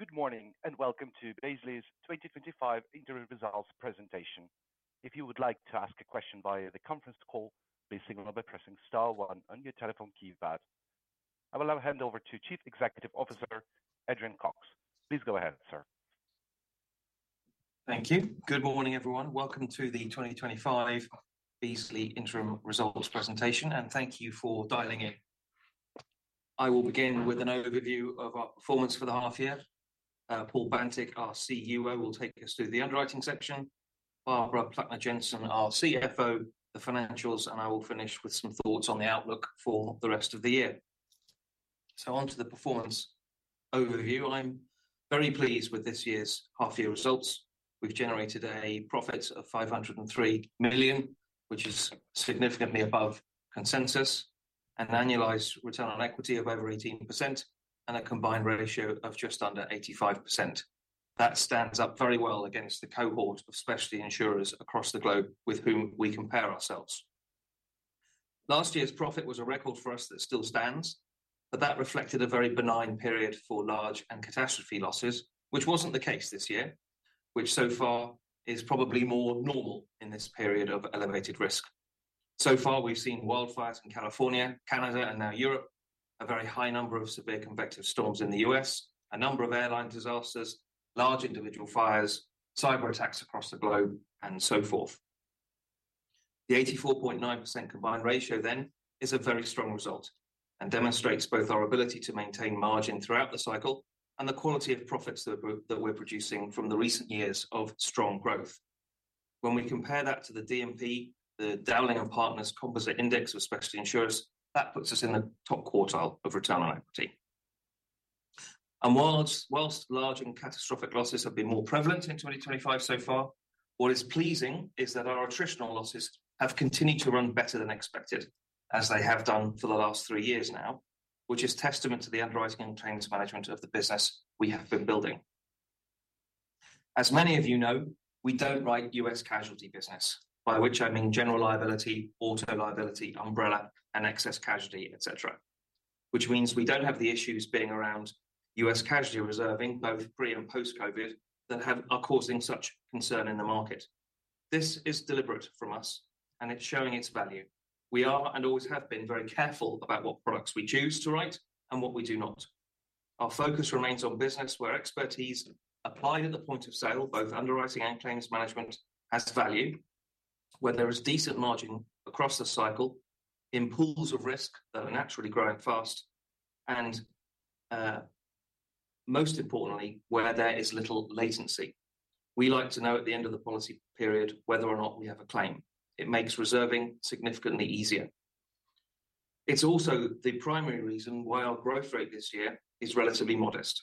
Good morning and welcome to Beazley's 2025 interim results presentation. If you would like to ask a question via the conference call, please signal by pressing star one on your telephone keypad. I will now hand over to Chief Executive Officer Adrian Cox. Please go ahead, sir. Thank you. Good morning, everyone. Welcome to the 2025 Beazley plc interim results presentation, and thank you for dialing in. I will begin with an overview of our performance for the half year. Paul Bantick, our CEO of Underwriting, will take us through the underwriting section. Barbara Jensen, our CFO, the financials, and I will finish with some thoughts on the outlook for the rest of the year. On to the performance overview. I'm very pleased with this year's half-year results. We've generated a profit of $503 million, which is significantly above consensus, an annualized return on equity of over 18%, and a combined ratio of just under 85%. That stands up very well against the cohort of specialty insurers across the globe with whom we compare ourselves. Last year's profit was a record for us that still stands, but that reflected a very benign period for large and catastrophe losses, which wasn't the case this year, which so far is probably more normal in this period of elevated risk. So far, we've seen wildfires in California, Canada, and now Europe, a very high number of severe convective storms in the U.S., a number of airline disasters, large individual fires, cyber attacks across the globe, and so forth. The 84.9% combined ratio then is a very strong result and demonstrates both our ability to maintain margin throughout the cycle and the quality of profits that we're producing from the recent years of strong growth. When we compare that to the D&P, the Dowling & Partners Composite Index of specialty insurers, that puts us in the top quartile of return on equity. Whilst large and catastrophic losses have been more prevalent in 2025 so far, what is pleasing is that our attritional losses have continued to run better than expected, as they have done for the last three years now, which is testament to the underwriting and change management of the business we have been building. As many of you know, we don't write U.S. casualty business, by which I mean general liability, auto liability, umbrella, and excess casualty, etc., which means we don't have the issues being around U.S. casualty reserving, both pre and post-COVID, that are causing such concern in the market. This is deliberate from us, and it's showing its value. We are, and always have been, very careful about what products we choose to write and what we do not. Our focus remains on business where expertise applied at the point of sale, both underwriting and claims management, has value, where there is decent margin across the cycle, in pools of risk that are naturally growing fast, and most importantly, where there is little latency. We like to know at the end of the policy period whether or not we have a claim. It makes reserving significantly easier. It's also the primary reason why our growth rate this year is relatively modest.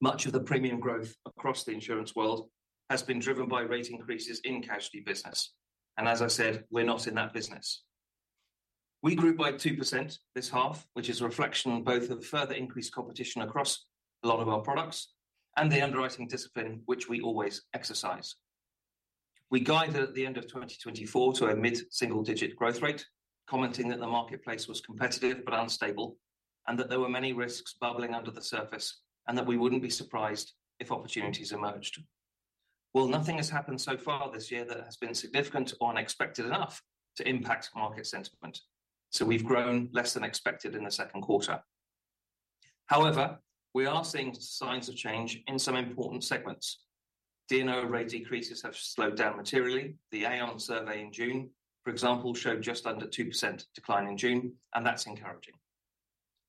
Much of the premium growth across the insurance world has been driven by rate increases in casualty business. As I said, we're not in that business. We grew by 2% this half, which is a reflection on both the further increased competition across a lot of our products and the underwriting discipline which we always exercise. We guided at the end of 2024 to a mid-single-digit growth rate, commenting that the marketplace was competitive but unstable and that there were many risks bubbling under the surface and that we wouldn't be surprised if opportunities emerged. Nothing has happened so far this year that has been significant or unexpected enough to impact market sentiment. We've grown less than expected in the second quarter. However, we are seeing signs of change in some important segments. D&O rate decreases have slowed down materially. The Aon survey in June, for example, showed just under 2% decline in June, and that's encouraging.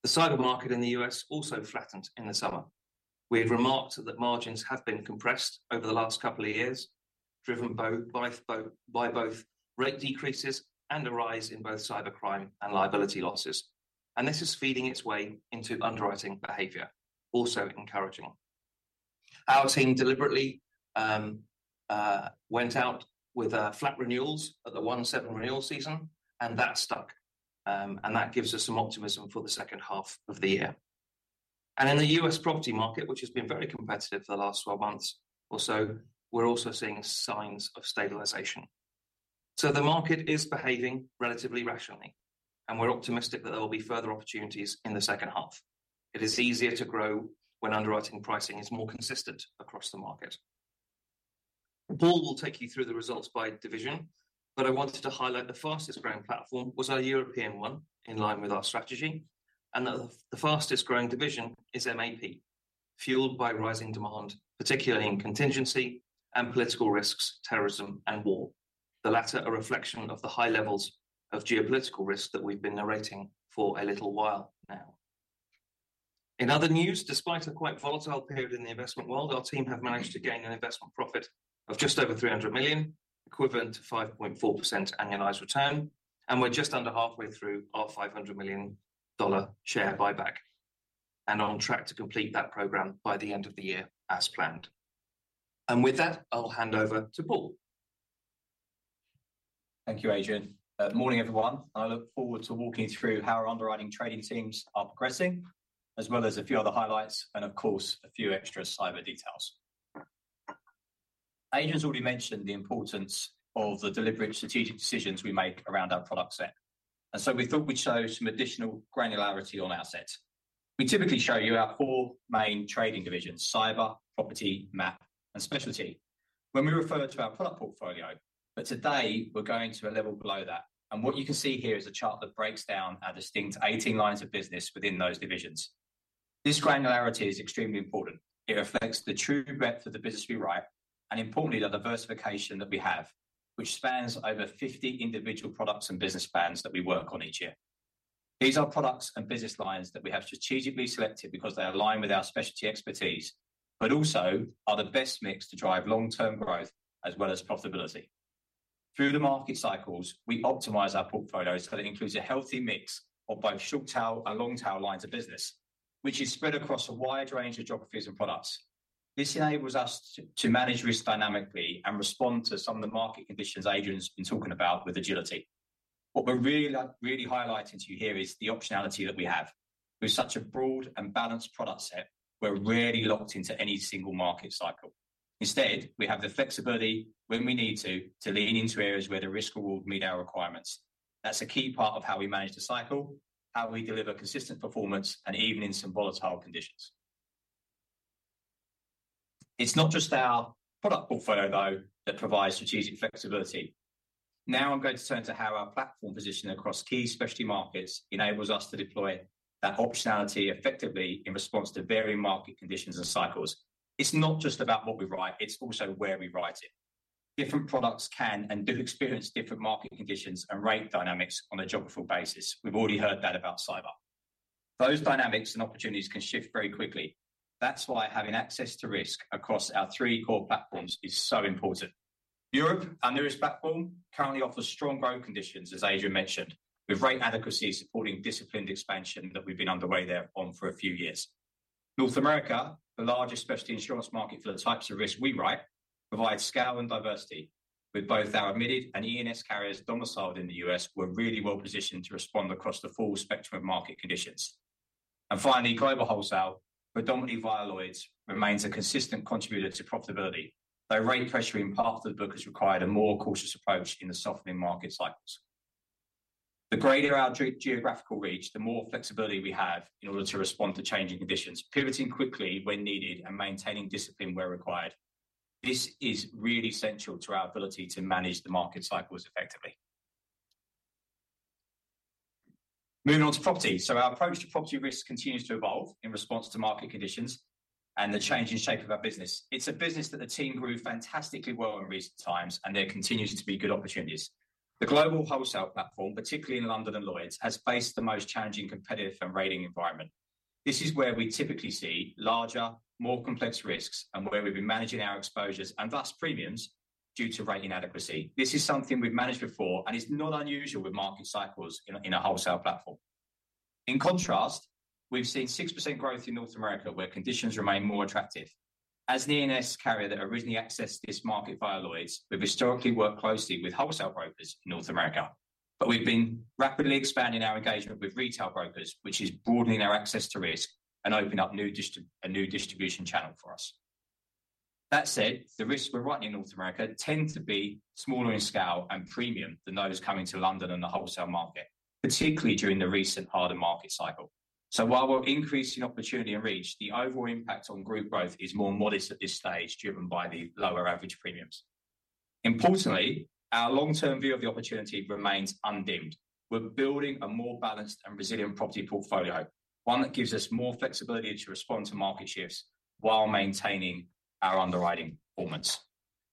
The cyber market in the U.S. also flattened in the summer. We've remarked that margins have been compressed over the last couple of years, driven by both rate decreases and a rise in both cyber crime and liability losses. This is feeding its way into underwriting behavior, also encouraging. Our team deliberately went out with flat renewals at the one-seven renewal season, and that stuck. That gives us some optimism for the second half of the year. In the U.S. property market, which has been very competitive for the last 12 months or so, we're also seeing signs of stabilization. The market is behaving relatively rationally, and we're optimistic that there will be further opportunities in the second half. It is easier to grow when underwriting pricing is more consistent across the market. Paul will take you through the results by division, but I wanted to highlight the fastest growing platform was our European one, in line with our strategy, and that the fastest growing division is MAP, fueled by rising demand, particularly in contingency and political risks, terrorism, and war. The latter are a reflection of the high levels of geopolitical risk that we've been narrating for a little while now. In other news, despite a quite volatile period in the investment world, our team have managed to gain an investment profit of just over $300 million, equivalent to 5.4% annualized return, and we're just under halfway through our $500 million share buyback and on track to complete that program by the end of the year as planned. With that, I'll hand over to Paul. Thank you, Adrian. Good morning, everyone. I look forward to walking through how our underwriting trading teams are progressing, as well as a few other highlights and, of course, a few extra cyber details. Adrian's already mentioned the importance of the deliberate strategic decisions we make around our product set. We thought we'd show some additional granularity on our set. We typically show you our four main trading divisions: cyber, property, MAP, and specialty. When we refer to our product portfolio, today we're going to a level below that. What you can see here is a chart that breaks down our distinct 18 lines of business within those divisions. This granularity is extremely important. It reflects the true breadth of the business we write and, importantly, the diversification that we have, which spans over 50 individual products and business plans that we work on each year. These are products and business lines that we have strategically selected because they align with our specialty expertise, but also are the best mix to drive long-term growth as well as profitability. Through the market cycles, we optimize our portfolios that include a healthy mix of both short-tail and long-tail lines of business, which is spread across a wide range of geographies and products. This enables us to manage risk dynamically and respond to some of the market conditions Adrian's been talking about with agility. What we're really, really highlighting to you here is the optionality that we have. With such a broad and balanced product set, we're rarely locked into any single market cycle. Instead, we have the flexibility when we need to to lean into areas where the risk will meet our requirements. That's a key part of how we manage the cycle, how we deliver consistent performance, even in some volatile conditions. It's not just our product portfolio, though, that provides strategic flexibility. Now I'm going to turn to how our platform position across key specialty markets enables us to deploy that optionality effectively in response to varying market conditions and cycles. It's not just about what we write, it's also where we write it. Different products can and do experience different market conditions and rate dynamics on a geographical basis. We've already heard that about cyber. Those dynamics and opportunities can shift very quickly. That's why having access to risk across our three core platforms is so important. Europe and the risk platform currently offer strong growing conditions, as Adrian mentioned, with rate adequacy supporting disciplined expansion that we've been underway there on for a few years. North America, the largest specialty insurance market for the types of risk we write, provides scale and diversity. With both our admitted and E&S carriers domiciled in the U.S., we're really well positioned to respond across the full spectrum of market conditions. Finally, global wholesale, predominantly via Lloyd's, remains a consistent contributor to profitability, though rate pressure in part of the book has required a more cautious approach in the softening market cycles. The greater our geographical reach, the more flexibility we have in order to respond to changing conditions, pivoting quickly when needed, and maintaining discipline where required. This is really central to our ability to manage the market cycles effectively. Moving on to property. Our approach to property risk continues to evolve in response to market conditions and the change in shape of our business. It's a business that the team grew fantastically well in recent times, and there continue to be good opportunities. The global wholesale platform, particularly in London and Lloyd's, has faced the most challenging competitive and rating environment. This is where we typically see larger, more complex risks and where we've been managing our exposures and thus premiums due to rating adequacy. This is something we've managed before, and it's not unusual with market cycles in a wholesale platform. In contrast, we've seen 6% growth in North America, where conditions remain more attractive. As an ENS carrier that originally accessed this market via Lloyd's, we've historically worked closely with wholesale brokers in North America, but we've been rapidly expanding our engagement with retail brokers, which is broadening our access to risk and opening up a new distribution channel for us. That said, the risks we're writing in North America tend to be smaller in scale and premium than those coming to London and the wholesale market, particularly during the recent harder market cycle. While we're increasing opportunity and reach, the overall impact on group growth is more modest at this stage, driven by the lower average premiums. Importantly, our long-term view of the opportunity remains undimmed. We're building a more balanced and resilient property portfolio, one that gives us more flexibility to respond to market shifts while maintaining our underwriting performance.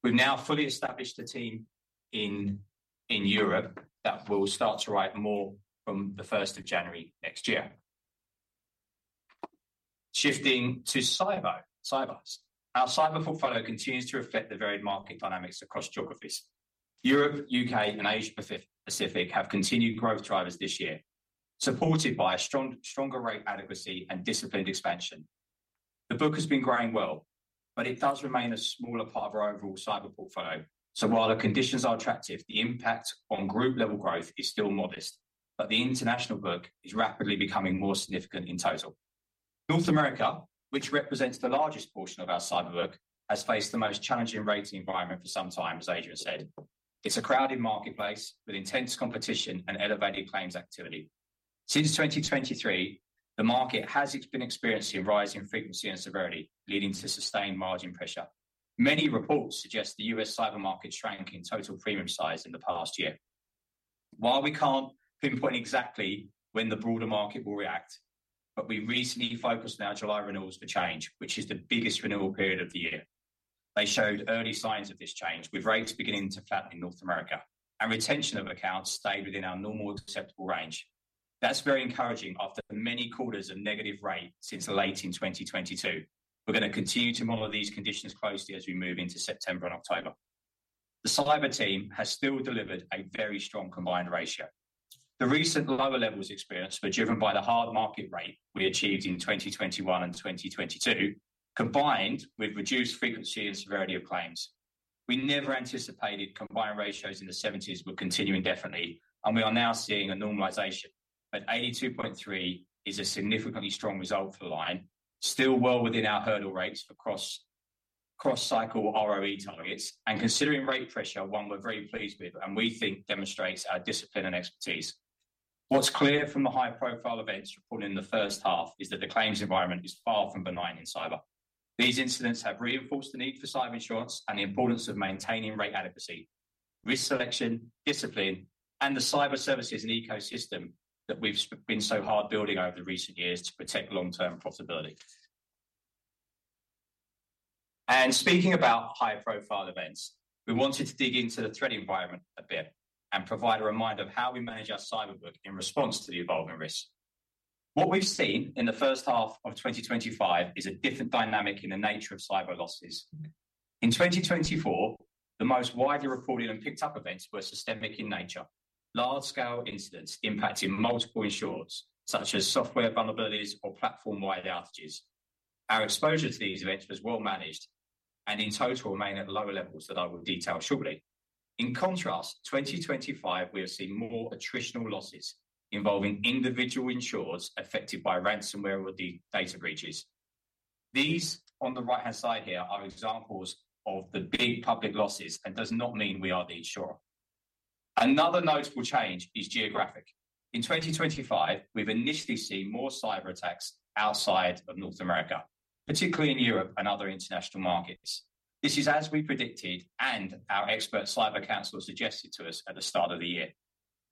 We've now fully established a team in Europe that will start to write more from the 1st of January next year. Shifting to cyber, our cyber portfolio continues to reflect the varied market dynamics across geographies. Europe, UK, and Asia-Pacific have continued growth drivers this year, supported by stronger rate adequacy and disciplined expansion. The book has been growing well, but it does remain a smaller part of our overall cyber portfolio. While the conditions are attractive, the impact on group-level growth is still modest, but the international work is rapidly becoming more significant in total. North America, which represents the largest portion of our cyber work, has faced the most challenging rating environment for some time, as Adrian Cox said. It's a crowded marketplace with intense competition and elevated claims activity. Since 2023, the market has been experiencing rising frequency and severity, leading to sustained margin pressure. Many reports suggest the U.S. cyber market shrank in total premium size in the past year. While we can't pinpoint exactly when the broader market will react, we recently focused on our July renewals for change, which is the biggest renewal period of the year. They showed early signs of this change, with rates beginning to flatten in North America, and retention of accounts staying within our normal acceptable range. That's very encouraging after the many quarters of negative rate since late in 2022. We're going to continue to monitor these conditions closely as we move into September and October. The cyber team has still delivered a very strong combined ratio. The recent lower levels experienced were driven by the harder market rate we achieved in 2021 and 2022, combined with reduced frequency and severity of claims. We never anticipated combined ratios in the 70s would continue indefinitely, and we are now seeing a normalization. At 82.3% is a significantly strong result for the line, still well within our hurdle rates for cross-cycle ROE targets, and considering rate pressure, one we're very pleased with and we think demonstrates our discipline and expertise. What's clear from the high-profile events reported in the first half is that the claims environment is far from benign in cyber. These incidents have reinforced the need for cyber insurance and the importance of maintaining rate adequacy, risk selection, discipline, and the cyber services and ecosystem that we've been so hard building over the recent years to protect long-term profitability. Speaking about high-profile events, we wanted to dig into the threat environment a bit and provide a reminder of how we manage our cyber work in response to the evolving risks. What we've seen in the first half of 2025 is a different dynamic in the nature of cyber losses. In 2024, the most widely reported and picked-up events were systemic in nature, large-scale incidents impacting multiple insurers, such as software vulnerabilities or platform-wide outages. Our exposure to these events was well managed, and in total, we may have lower levels that I will detail shortly. In contrast, in 2025, we have seen more attritional losses involving individual insurers affected by ransomware or data breaches. These on the right-hand side here are examples of the public losses and do not mean we are the insurer. Another notable change is geographic. In 2025, we've initially seen more cyber attacks outside of North America, particularly in Europe and other international markets. This is as we predicted and our expert cyber counsel suggested to us at the start of the year.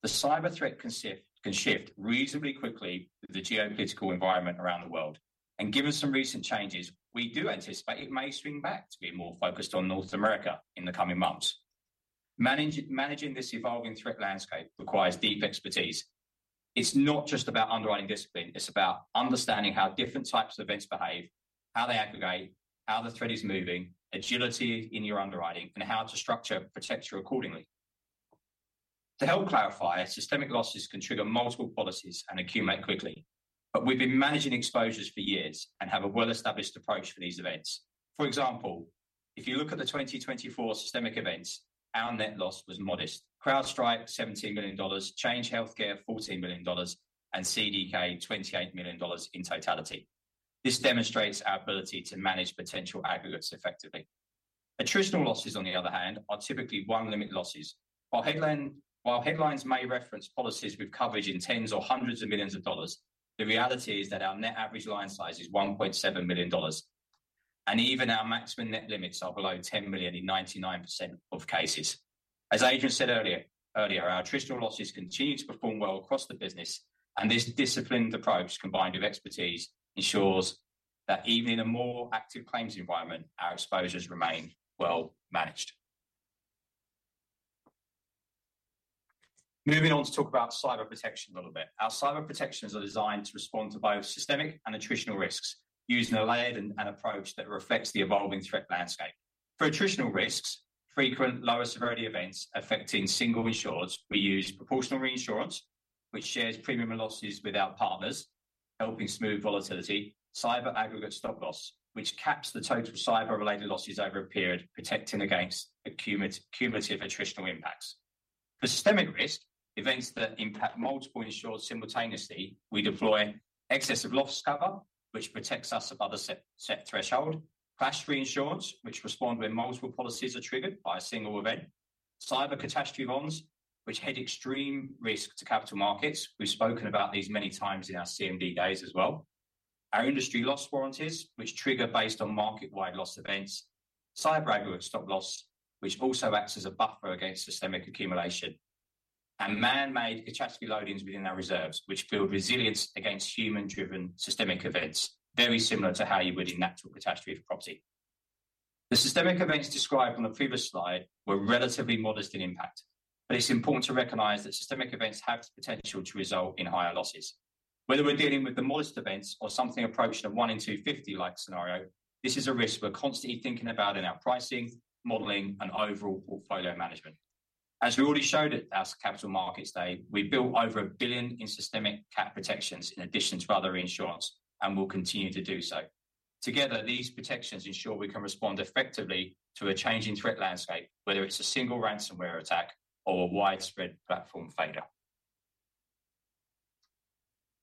The cyber threat can shift reasonably quickly with the geopolitical environment around the world, and given some recent changes, we do anticipate it may swing back to be more focused on North America in the coming months. Managing this evolving threat landscape requires deep expertise. It's not just about underwriting discipline; it's about understanding how different types of events behave, how they aggregate, how the threat is moving, agility in your underwriting, and how to structure protection accordingly. To help clarify, systemic losses can trigger multiple policies and accumulate quickly, but we've been managing exposures for years and have a well-established approach for these events. For example, if you look at the 2024 systemic events, our net loss was modest: CrowdStrike $17 million, Change Healthcare $14 million, and CDK $28 million in totality. This demonstrates our ability to manage potential aggregates effectively. Attritional losses, on the other hand, are typically one-limit losses. While headlines may reference policies with coverage in tens or hundreds of millions of dollars, the reality is that our net average line size is $1.7 million, and even our maximum net limits are below $10 million in 99% of cases. As Adrian said earlier, our attritional losses continue to perform well across the business, and this disciplined approach combined with expertise ensures that even in a more active claims environment, our exposures remain well managed. Moving on to talk about cyber protection a little bit. Our cyber protections are designed to respond to both systemic and attritional risks using a layered approach that reflects the evolving threat landscape. For attritional risks, frequent lower severity events affecting single insurers, we use proportional reinsurance, which shares premium and losses with our partners, helping smooth volatility, cyber aggregate stop loss, which caps the total cyber-related losses over a period, protecting against a cumulative attritional impact. For systemic risk, events that impact multiple insurers simultaneously, we deploy excess of loss cover, which protects us above a set threshold, crash-free insurers, which respond when multiple policies are triggered by a single event, cyber catastrophe holds, which head extreme risk to capital markets. We've spoken about these many times in our CMD days as well, our industry loss warranties, which trigger based on market-wide loss events, cyber aggregate stop loss, which also acts as a buffer against systemic accumulation, and man-made catastrophe loadings within our reserves, which build resilience against human-driven systemic events, very similar to how you would in natural catastrophe property. The systemic events described on the previous slide were relatively modest in impact, but it's important to recognize that systemic events have the potential to result in higher losses. Whether we're dealing with the modest events or something approaching a 1 in 250-like scenario, this is a risk we're constantly thinking about in our pricing, modeling, and overall portfolio management. As we already showed at Capital Markets Day, we built over $1 billion in systemic protections in addition to other insurance and will continue to do so. Together, these protections ensure we can respond effectively to a changing threat landscape, whether it's a single ransomware attack or a widespread platform failure.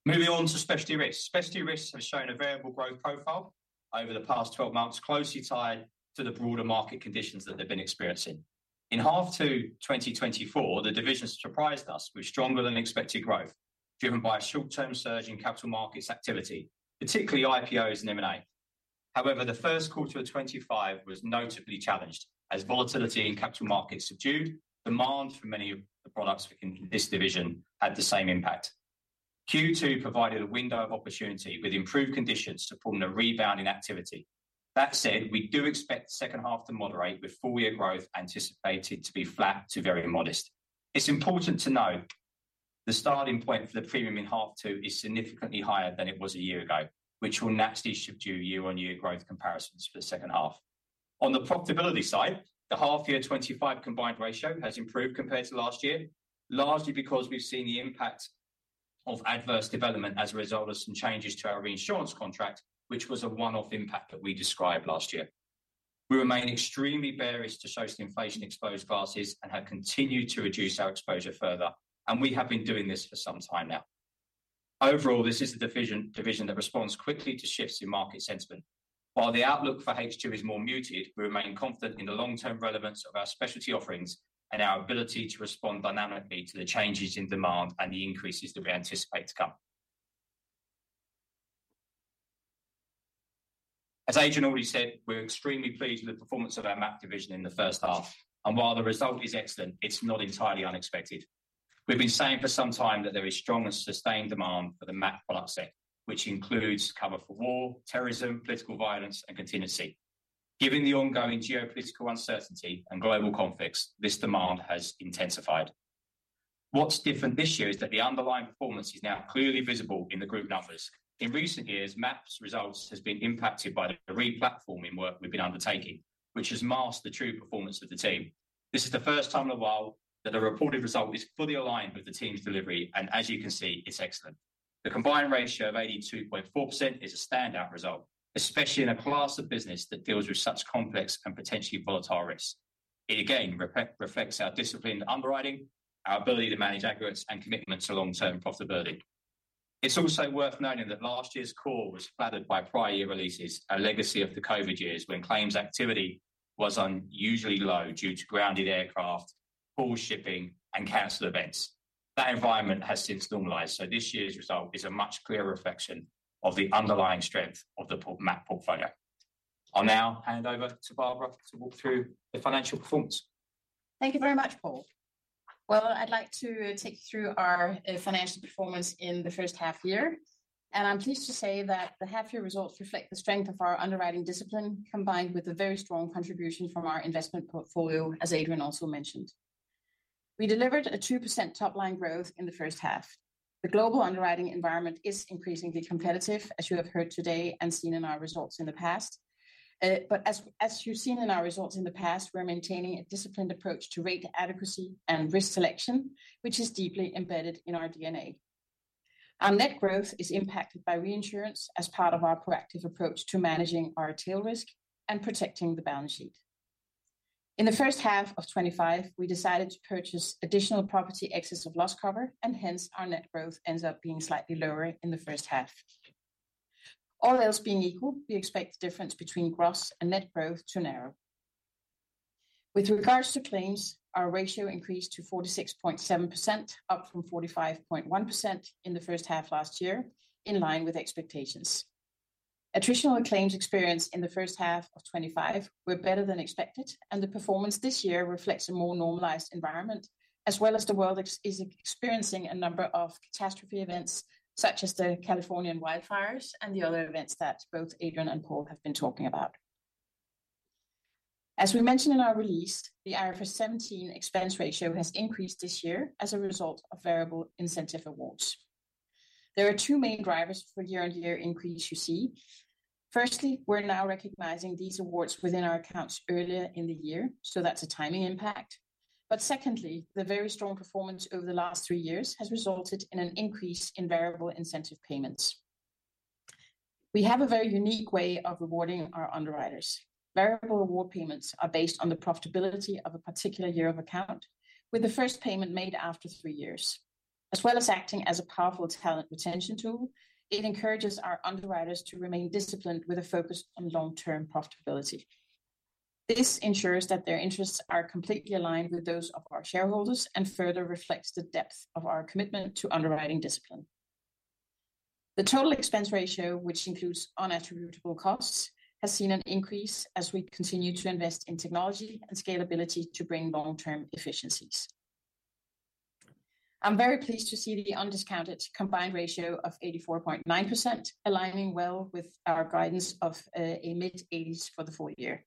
Moving on to specialty risks. Specialty risks have shown a variable growth profile over the past 12 months, closely tied to the broader market conditions that they've been experiencing. In half two 2024, the division surprised us with stronger than expected growth, driven by a short-term surge in capital markets activity, particularly IPOs and M&A. However, the first quarter of 2025 was notably challenged as volatility in capital markets subdued demand for many products in this division had the same impact. Q2 provided a window of opportunity with improved conditions to form a rebound in activity. That said, we do expect the second half to moderate with full-year growth anticipated to be flat to very modest. It's important to note the starting point for the premium in half two is significantly higher than it was a year ago, which will naturally subdue year-on-year growth comparisons for the second half. On the profitability side, the half-year 2025 combined ratio has improved compared to last year, largely because we've seen the impact of adverse development as a result of some changes to our reinsurance contract, which was a one-off impact that we described last year. We remain extremely bearish to social inflation-exposed classes and have continued to reduce our exposure further, and we have been doing this for some time now. Overall, this is a division that responds quickly to shifts in market sentiment. While the outlook for H2 is more muted, we remain confident in the long-term relevance of our specialty offerings and our ability to respond dynamically to the changes in demand and the increases that we anticipate to come. As Adrian already said, we're extremely pleased with the performance of our MAP division in the first half, and while the result is excellent, it's not entirely unexpected. We've been saying for some time that there is strong and sustained demand for the MAP product set, which includes cover for war, terrorism, political violence, and contingency. Given the ongoing geopolitical uncertainty and global conflicts, this demand has intensified. What's different this year is that the underlying performance is now clearly visible in the group numbers. In recent years, MAP's results have been impacted by the re-platforming work we've been undertaking, which has masked the true performance of the team. This is the first time in a while that a reported result is fully aligned with the team's delivery, and as you can see, it's excellent. The combined ratio of 82.4% is a standout result, especially in a class of business that deals with such complex and potentially volatile risks. It again reflects our disciplined underwriting, our ability to manage aggregates, and commitment to long-term profitability. It's also worth noting that last year's core was flattered by prior year releases, a legacy of the COVID years when claims activity was unusually low due to grounded aircraft, poor shipping, and cancel events. That environment has since normalized, so this year's result is a much clearer reflection of the underlying strength of the MAP portfolio. I'll now hand over to Barbara to walk through the financial performance. Thank you very much, Paul. I’d like to take you through our financial performance in the first half year, and I’m pleased to say that the half-year results reflect the strength of our underwriting discipline, combined with a very strong contribution from our investment portfolio, as Adrian also mentioned. We delivered a 2% top-line growth in the first half. The global underwriting environment is increasingly competitive, as you have heard today and seen in our results in the past. As you’ve seen in our results in the past, we’re maintaining a disciplined approach to rate adequacy and risk selection, which is deeply embedded in our DNA. Our net growth is impacted by reinsurance as part of our proactive approach to managing our tail risk and protecting the balance sheet. In the first half of 2025, we decided to purchase additional property excess of loss cover, and hence our net growth ends up being slightly lower in the first half. All else being equal, we expect the difference between gross and net growth to narrow. With regards to claims, our ratio increased to 46.7%, up from 45.1% in the first half last year, in line with expectations. Attritional claims experienced in the first half of 2025 were better than expected, and the performance this year reflects a more normalized environment, as well as the world that is experiencing a number of catastrophe events, such as the Californian wildfires and the other events that both Adrian and Paul have been talking about. As we mentioned in our release, the IFRS 17 expense ratio has increased this year as a result of variable incentive awards. There are two main drivers for the year-on-year increase you see. Firstly, we’re now recognizing these awards within our accounts earlier in the year, so that’s a timing impact. Secondly, the very strong performance over the last three years has resulted in an increase in variable incentive payments. We have a very unique way of rewarding our underwriters. Variable reward payments are based on the profitability of a particular year of account, with the first payment made after three years. As well as acting as a powerful talent retention tool, it encourages our underwriters to remain disciplined with a focus on long-term profitability. This ensures that their interests are completely aligned with those of our shareholders and further reflects the depth of our commitment to underwriting discipline. The total expense ratio, which includes unattributable costs, has seen an increase as we continue to invest in technology and scalability to bring long-term efficiencies. I'm very pleased to see the undiscounted combined ratio of 84.9%, aligning well with our guidance of a mid-80s for the full year.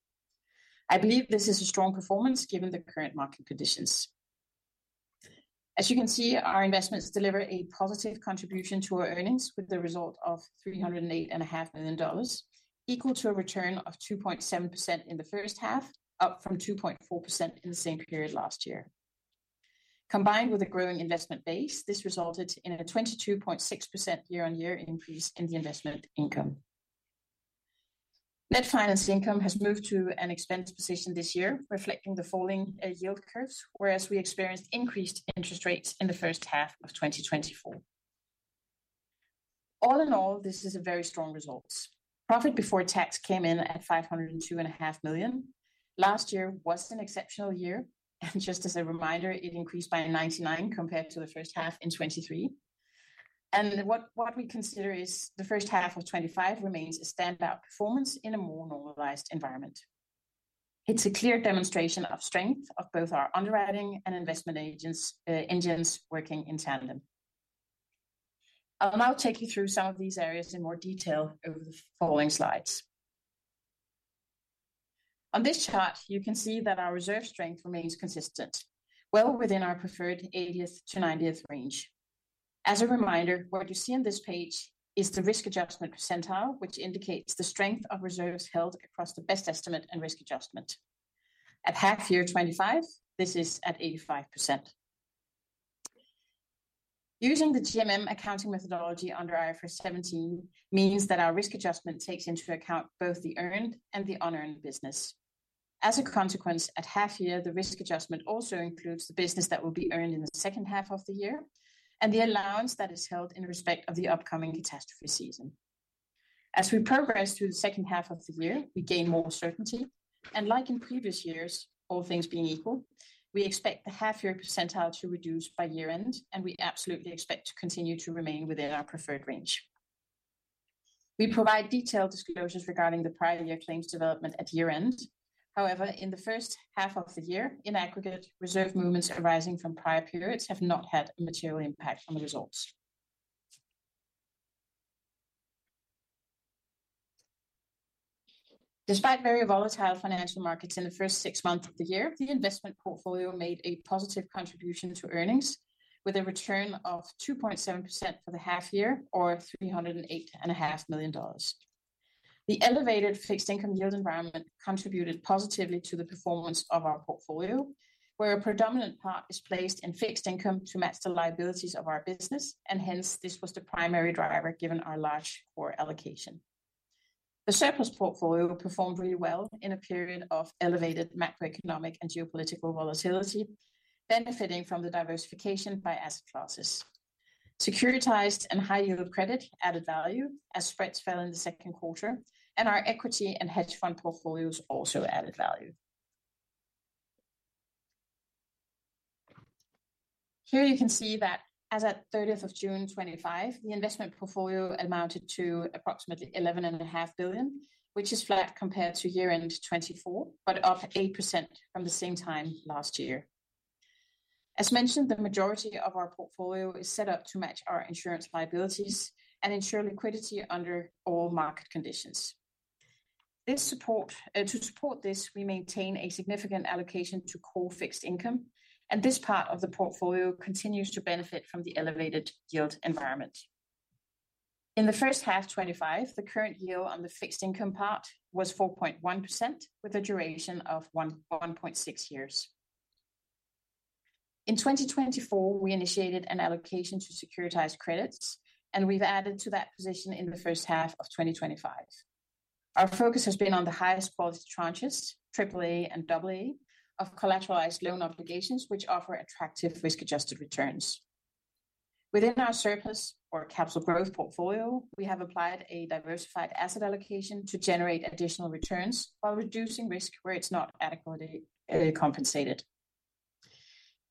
I believe this is a strong performance given the current market conditions. As you can see, our investments deliver a positive contribution to our earnings with the result of $308.5 million, equal to a return of 2.7% in the first half, up from 2.4% in the same period last year. Combined with a growing investment base, this resulted in a 22.6% year-on-year increase in the investment income. Net finance income has moved to an expense position this year, reflecting the falling yield curves, whereas we experienced increased interest rates in the first half of 2024. All in all, this is a very strong result. Profit before tax came in at $502.5 million. Last year was an exceptional year, and just as a reminder, it increased by $99 million compared to the first half in 2023. What we consider is the first half of 2025 remains a standout performance in a more normalized environment. It's a clear demonstration of strength of both our underwriting and investment engines working in tandem. I'll now take you through some of these areas in more detail over the following slides. On this chart, you can see that our reserve strength remains consistent, well within our preferred 80th to 90th range. As a reminder, what you see on this page is the risk adjustment percentile, which indicates the strength of reserves held across the best estimate and risk adjustment. At half-year 2025, this is at 85%. Using the GMM accounting methodology under IFRS 17 means that our risk adjustment takes into account both the earned and the unearned business. As a consequence, at half-year, the risk adjustment also includes the business that will be earned in the second half of the year and the allowance that is held in respect of the upcoming catastrophe season. As we progress through the second half of the year, we gain more certainty, and like in previous years, all things being equal, we expect the half-year percentile to reduce by year-end, and we absolutely expect to continue to remain within our preferred range. We provide detailed disclosures regarding the prior year claims development at year-end. However, in the first half of the year, in aggregate, reserve movements arising from prior periods have not had a material impact on the results. Despite very volatile financial markets in the first six months of the year, the investment portfolio made a positive contribution to earnings with a return of 2.7% for the half-year, or $308.5 million. The elevated fixed income yield environment contributed positively to the performance of our portfolio, where a predominant part is placed in fixed income to match the liabilities of our business, and this was the primary driver given our large core allocation. The surplus portfolio performed really well in a period of elevated macroeconomic and geopolitical volatility, benefiting from the diversification by asset classes. Securitized and high-yield credit added value as spreads fell in the second quarter, and our equity and hedge fund portfolios also added value. Here you can see that as at June 30, 2025, the investment portfolio amounted to approximately $11.5 billion, which is flat compared to year-end 2024, but up 8% from the same time last year. As mentioned, the majority of our portfolio is set up to match our insurance liabilities and ensure liquidity under all market conditions. To support this, we maintain a significant allocation to core fixed income, and this part of the portfolio continues to benefit from the elevated yield environment. In the first half of 2025, the current yield on the fixed income part was 4.1% with a duration of 1.6 years. In 2024, we initiated an allocation to securitized credits, and we've added to that position in the first half of 2025. Our focus has been on the highest-quality tranches, AAA and AA, of collateralized loan obligations, which offer attractive risk-adjusted returns. Within our surplus or capital growth portfolio, we have applied a diversified asset allocation to generate additional returns while reducing risk where it's not adequately compensated.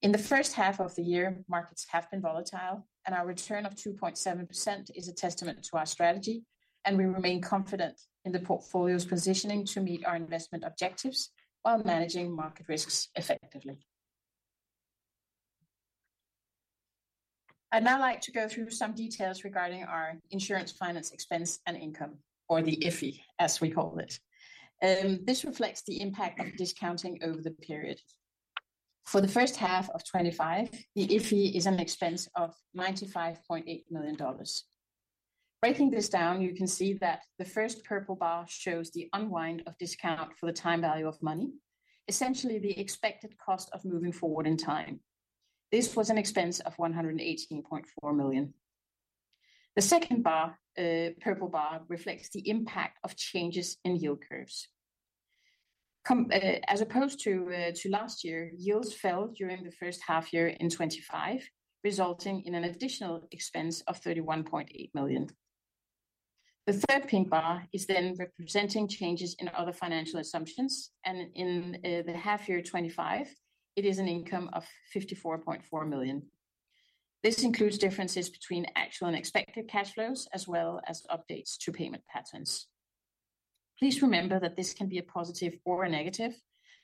In the first half of the year, markets have been volatile, and our return of 2.7% is a testament to our strategy, and we remain confident in the portfolio's positioning to meet our investment objectives while managing market risks effectively. I'd now like to go through some details regarding our insurance finance expense and income, or the IFI, as we call it. This reflects the impact of discounting over the period. For the first half of 2025, the IFI is an expense of $95.8 million. Breaking this down, you can see that the first purple bar shows the unwind of discount for the time value of money, essentially the expected cost of moving forward in time. This was an expense of $118.4 million. The second bar, the purple bar, reflects the impact of changes in yield curves. As opposed to last year, yields fell during the first half year in 2025, resulting in an additional expense of $31.8 million. The third pink bar is then representing changes in other financial assumptions, and in the half year 2025, it is an income of $54.4 million. This includes differences between actual and expected cash flows, as well as updates to payment patterns. Please remember that this can be a positive or a negative,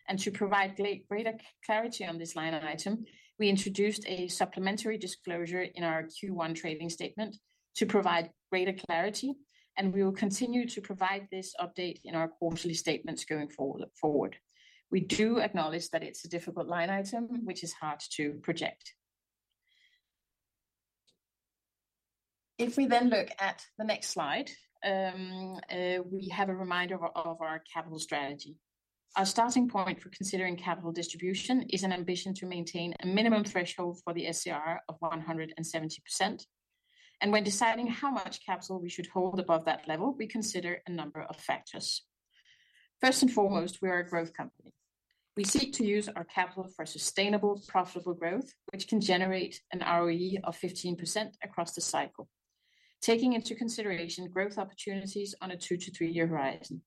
and to provide greater clarity on this line item, we introduced a supplementary disclosure in our Q1 trading statement to provide greater clarity, and we will continue to provide this update in our quarterly statements going forward. We do acknowledge that it's a difficult line item, which is hard to project. If we then look at the next slide, we have a reminder of our capital strategy. Our starting point for considering capital distribution is an ambition to maintain a minimum threshold for the SCR of 170%. When deciding how much capital we should hold above that level, we consider a number of factors. First and foremost, we are a growth company. We seek to use our capital for sustainable, profitable growth, which can generate an ROE of 15% across the cycle, taking into consideration growth opportunities on a two to three-year horizon.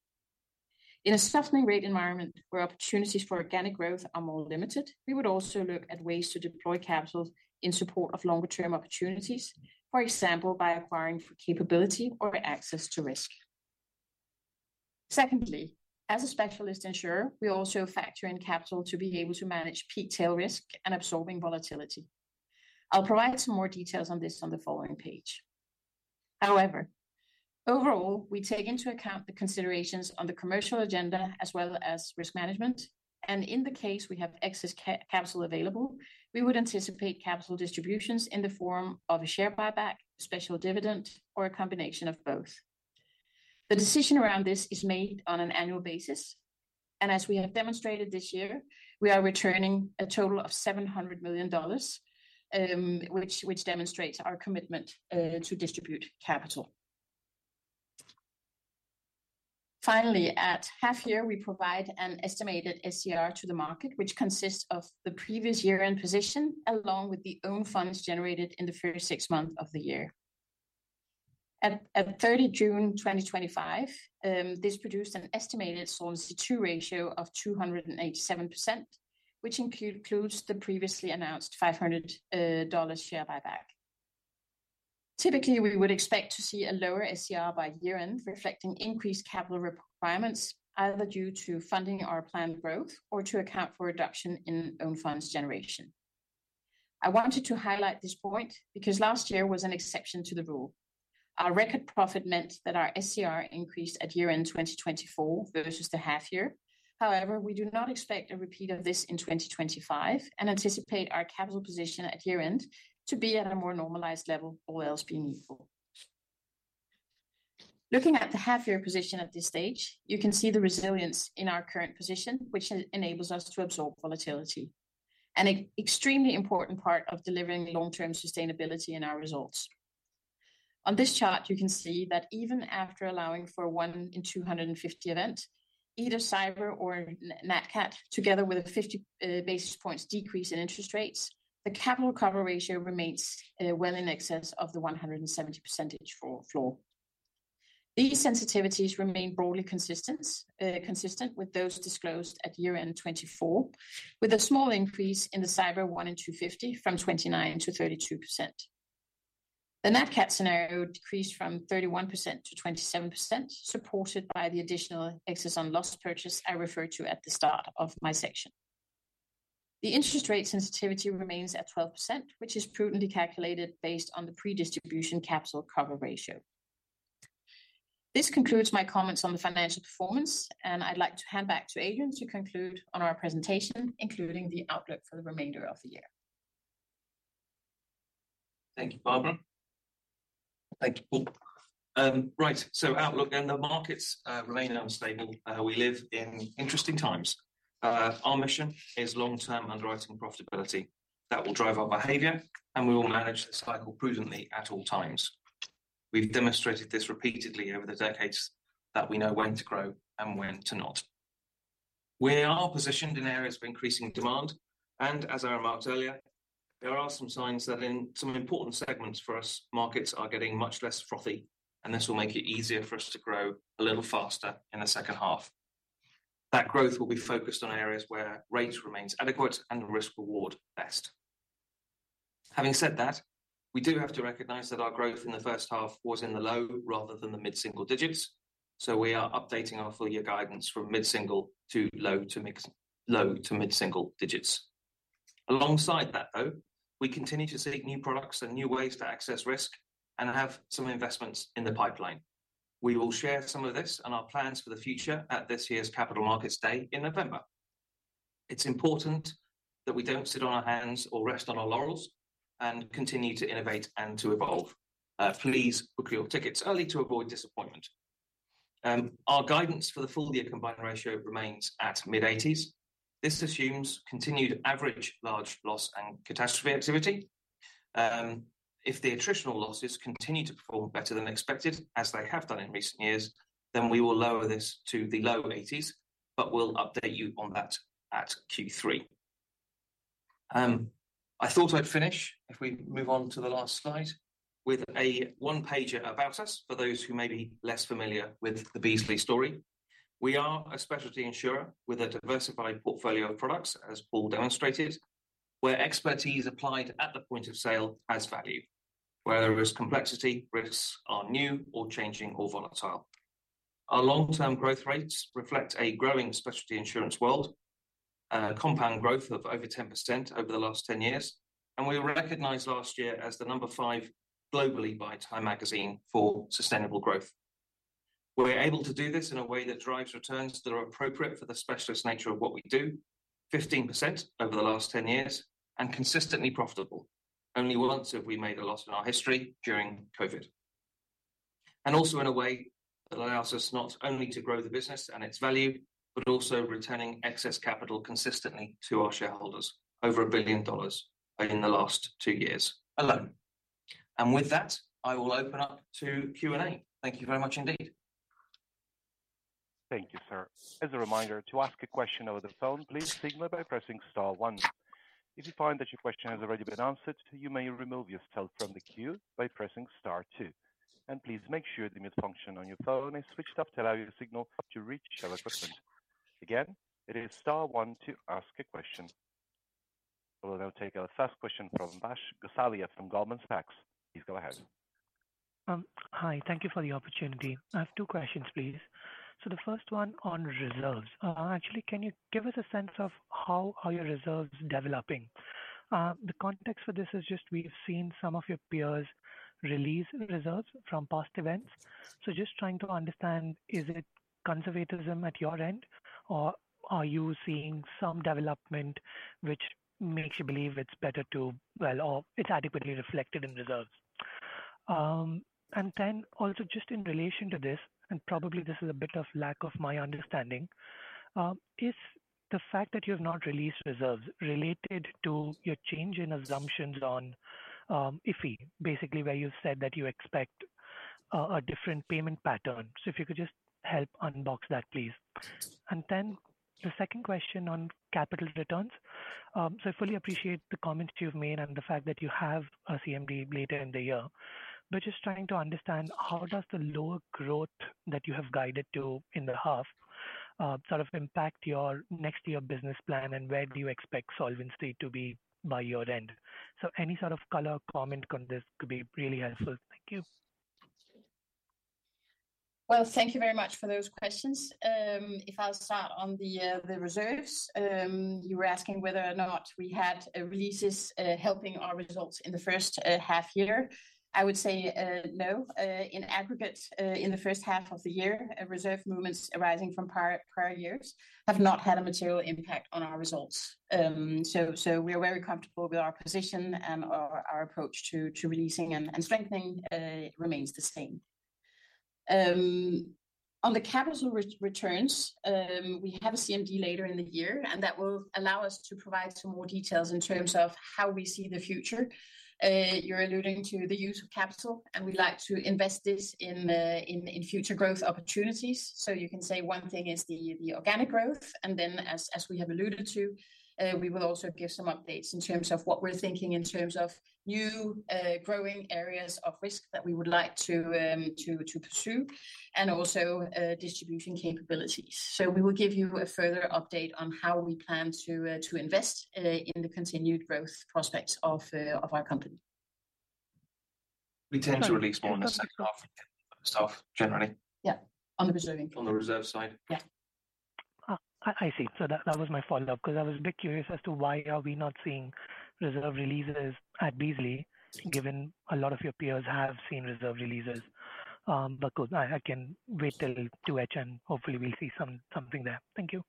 In a softening rate environment where opportunities for organic growth are more limited, we would also look at ways to deploy capital in support of longer-term opportunities, for example, by acquiring capability or access to risk. Secondly, as a specialist insurer, we also factor in capital to be able to manage peak tail risk and absorbing volatility. I'll provide some more details on this on the following page. However, overall, we take into account the considerations on the commercial agenda as well as risk management, and in the case we have excess capital available, we would anticipate capital distributions in the form of a share buyback, special dividend, or a combination of both. The decision around this is made on an annual basis, and as we have demonstrated this year, we are returning a total of $700 million, which demonstrates our commitment to distribute capital. Finally, at half year, we provide an estimated SCR to the market, which consists of the previous year-end position, along with the own funds generated in the first six months of the year. At 30 June 2025, this produced an estimated Solvency II ratio of 287%, which includes the previously announced $500 million share buyback. Typically, we would expect to see a lower SCR by year-end, reflecting increased capital requirements, either due to funding our planned growth or to account for reduction in own funds generation. I wanted to highlight this point because last year was an exception to the rule. Our record profit meant that our SCR increased at year-end 2024 versus the half year. However, we do not expect a repeat of this in 2025 and anticipate our capital position at year-end to be at a more normalized level, all else being equal. Looking at the half-year position at this stage, you can see the resilience in our current position, which enables us to absorb volatility, an extremely important part of delivering long-term sustainability in our results. On this chart, you can see that even after allowing for 1 in 250 events, either cyber or NATCAT, together with a 50 basis points decrease in interest rates, the capital recovery ratio remains well in excess of the 170% floor. These sensitivities remain broadly consistent with those disclosed at year-end 2024, with a small increase in the cyber 1 in 250 from 29% to 32%. The NATCAT scenario decreased from 31% to 27%, supported by the additional excess on loss purchase I referred to at the start of my section. The interest rate sensitivity remains at 12%, which is prudently calculated based on the pre-distribution capital cover ratio. This concludes my comments on the financial performance, and I'd like to hand back to Adrian to conclude on our presentation, including the outlook for the remainder of the year. Thank you, Barbara. Thank you, Paul. Right, so outlook and the markets remain unstable, and we live in interesting times. Our mission is long-term underwriting profitability that will drive our behavior, and we will manage this cycle prudently at all times. We've demonstrated this repeatedly over the decades that we know when to grow and when to not. We are positioned in areas of increasing demand, and as I remarked earlier, there are some signs that in some important segments for us, markets are getting much less frothy, and this will make it easier for us to grow a little faster in the second half. That growth will be focused on areas where rate remains adequate and risk-reward best. Having said that, we do have to recognize that our growth in the first half was in the low rather than the mid-single digits, so we are updating our full-year guidance from mid-single to low to mid-single digits. Alongside that, though, we continue to seek new products and new ways to access risk and have some investments in the pipeline. We will share some of this and our plans for the future at this year's Capital Markets Day in November. It's important that we don't sit on our hands or rest on our laurels and continue to innovate and to evolve. Please book your tickets early to avoid disappointment. Our guidance for the full-year combined ratio remains at mid-80s. This assumes continued average large loss and catastrophe activity. If the attritional losses continue to perform better than expected, as they have done in recent years, then we will lower this to the low 80s, but we'll update you on that at Q3. I thought I'd finish if we move on to the last slide with a one-pager about us for those who may be less familiar with the Beazley story. We are a specialty insurer with a diversified portfolio of products, as Paul demonstrated, where expertise applied at the point of sale has value, whereas complexity risks are new or changing or volatile. Our long-term growth rates reflect a growing specialty insurance world, a compound growth of over 10% over the last 10 years, and we were recognized last year as the number five globally by Time Magazine for sustainable growth. We're able to do this in a way that drives returns that are appropriate for the specialist nature of what we do, 15% over the last 10 years, and consistently profitable. Only once have we made a loss in our history during COVID, and also in a way that allows us not only to grow the business and its value, but also retaining excess capital consistently to our shareholders, over $1 billion in the last two years alone. With that, I will open up to Q&A. Thank you very much indeed. Thank you, sir. As a reminder, to ask a question over the phone, please signal by pressing star one. If you find that your question has already been answered, you may remove yourself from the queue by pressing star two. Please make sure the mute function on your phone is switched off to allow your signal to reach your equipment. Again, it is star one to ask a question. We'll now take a fast question from Vash Gosalia from Goldman Sachs. Please go ahead. Hi, thank you for the opportunity. I have two questions, please. The first one on reserves. Actually, can you give us a sense of how are your reserves developing? The context for this is just we've seen some of your peers release reserves from past events. Just trying to understand, is it conservatism at your end, or are you seeing some development which makes you believe it's better to, or it's adequately reflected in reserves? Also, just in relation to this, and probably this is a bit of lack of my understanding, is the fact that you have not released reserves related to your change in assumptions on IFI, basically where you said that you expect a different payment pattern. If you could just help unbox that, please. The second question on capital returns. I fully appreciate the comments you've made and the fact that you have a CMD later in the year, just trying to understand how does the lower growth that you have guided to in the half sort of impact your next year business plan and where do you expect Solvency II ratio to be by year-end? Any sort of color comment on this could be really helpful. Thank you. Thank you very much for those questions. If I start on the reserves, you were asking whether or not we had releases helping our results in the first half year. I would say no. In aggregate, in the first half of the year, reserve movements arising from prior years have not had a material impact on our results. We are very comfortable with our position, and our approach to releasing and strengthening remains the same. On the capital returns, we have a CMD later in the year, and that will allow us to provide some more details in terms of how we see the future. You're alluding to the use of capital, and we'd like to invest this in future growth opportunities. You can say one thing is the organic growth, and then as we have alluded to, we will also give some updates in terms of what we're thinking in terms of new growing areas of risk that we would like to pursue and also distributing capabilities. We will give you a further update on how we plan to invest in the continued growth prospects of our company. We tend to release more in the second half of the year, generally. Yeah, on the reserving. On the reserve side. Yeah. I see. That was my follow-up because I was a bit curious as to why are we not seeing reserve releases at Beazley, given a lot of your peers have seen reserve releases. I can wait till QHN and hopefully we'll see something there. Thank you.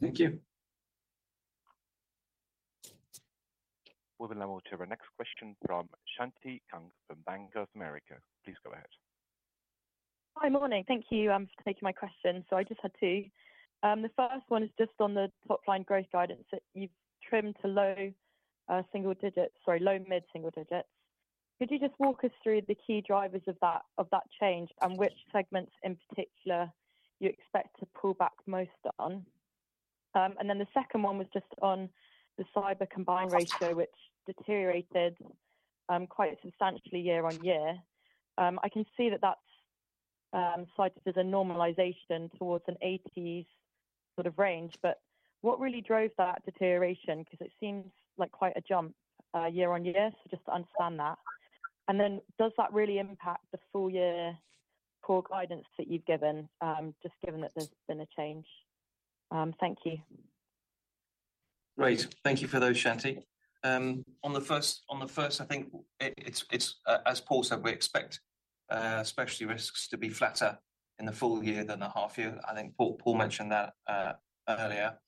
Thank you. We will now move to our next question from Shanti Kang from Bank of America. Please go ahead. Hi, morning. Thank you. I'm taking my questions. I just had two. The first one is just on the top line growth guidance that you've trimmed to low mid-single digits. Could you just walk us through the key drivers of that change and which segments in particular you expect to pull back most on? The second one was just on the cyber combined ratio, which deteriorated quite substantially year on year. I can see that that's cited as a normalization towards an 80% sort of range, but what really drove that deterioration? Because it seems like quite a jump year on year, just to understand that. Does that really impact the full year core guidance that you've given, just given that there's been a change? Thank you. Right. Thank you for those, Shanti. On the first, I think it's, as Paul said, we expect specialty risks to be flatter in the full year than the half year. I think Paul mentioned that earlier.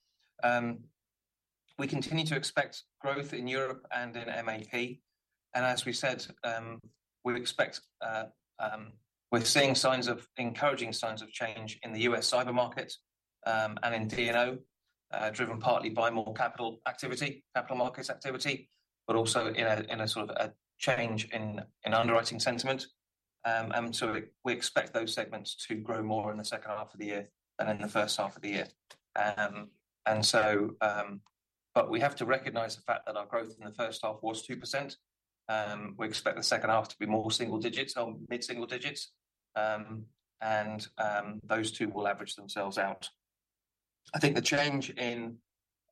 We continue to expect growth in Europe and in MAP. As we said, we're seeing signs of encouraging signs of change in the U.S. cyber markets and in TNO, driven partly by more capital markets activity, but also in a sort of change in underwriting sentiment. We expect those segments to grow more in the second half of the year than in the first half of the year. We have to recognize the fact that our growth in the first half was 2%. We expect the second half to be more single digits or mid-single digits, and those two will average themselves out. I think the change in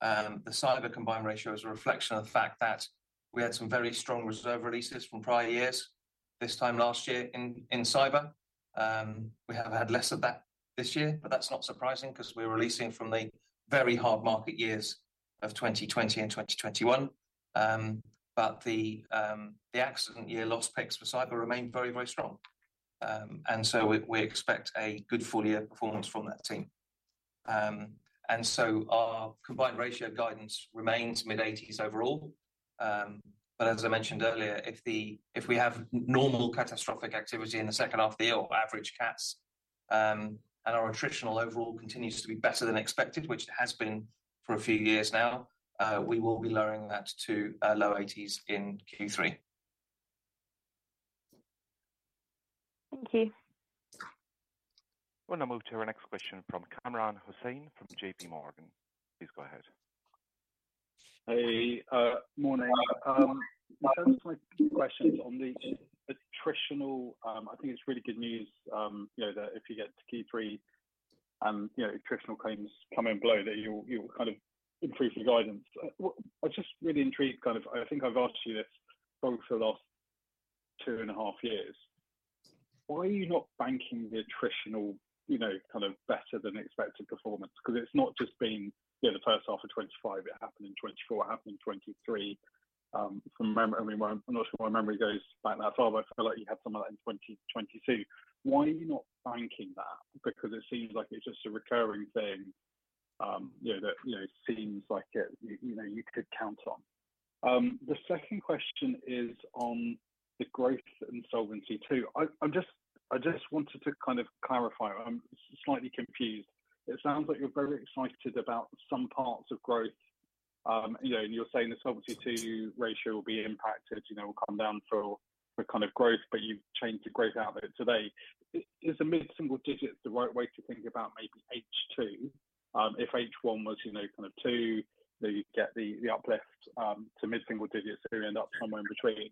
the cyber combined ratio is a reflection of the fact that we had some very strong reserve releases from prior years. This time last year in cyber, we have had less of that this year, but that's not surprising because we're releasing from the very hard market years of 2020 and 2021. The accident year loss picks for cyber remain very, very strong. We expect a good full-year performance from that team. Our combined ratio guidance remains mid-80s overall. As I mentioned earlier, if we have normal catastrophic activity in the second half of the year or average cats, and our attritional overall continues to be better than expected, which it has been for a few years now, we will be lowering that to low 80s in Q3. Thank you. will now move to our next question from Kamran Hossain from JPMorgan. Please go ahead. Hey, morning. First, my two questions on the attritional. I think it's really good news that if you get to Q3, attritional claims come in below that, you'll kind of increase your guidance. I'm just really intrigued, I think I've asked you this both for the last two and a half years. Why are you not banking the attritional, better than expected performance? Because it's not just been the first half of 2025, it happened in 2024, it happened in 2023. I'm not sure my memory goes back that far, but I feel like you had some of that in 2022. Why are you not banking that? Because it seems like it's just a recurring thing that seems like you could count on. The second question is on the growth and Solvency II. I just wanted to clarify, I'm slightly confused. It sounds like you're very excited about some parts of growth, and you're saying the Solvency II ratio will be impacted, will come down for the kind of growth, but you've changed the growth out there today. Is a mid-single digit the right way to think about maybe H2? If H1 was two, you'd get the uplift to mid-single digits, so you end up somewhere in between.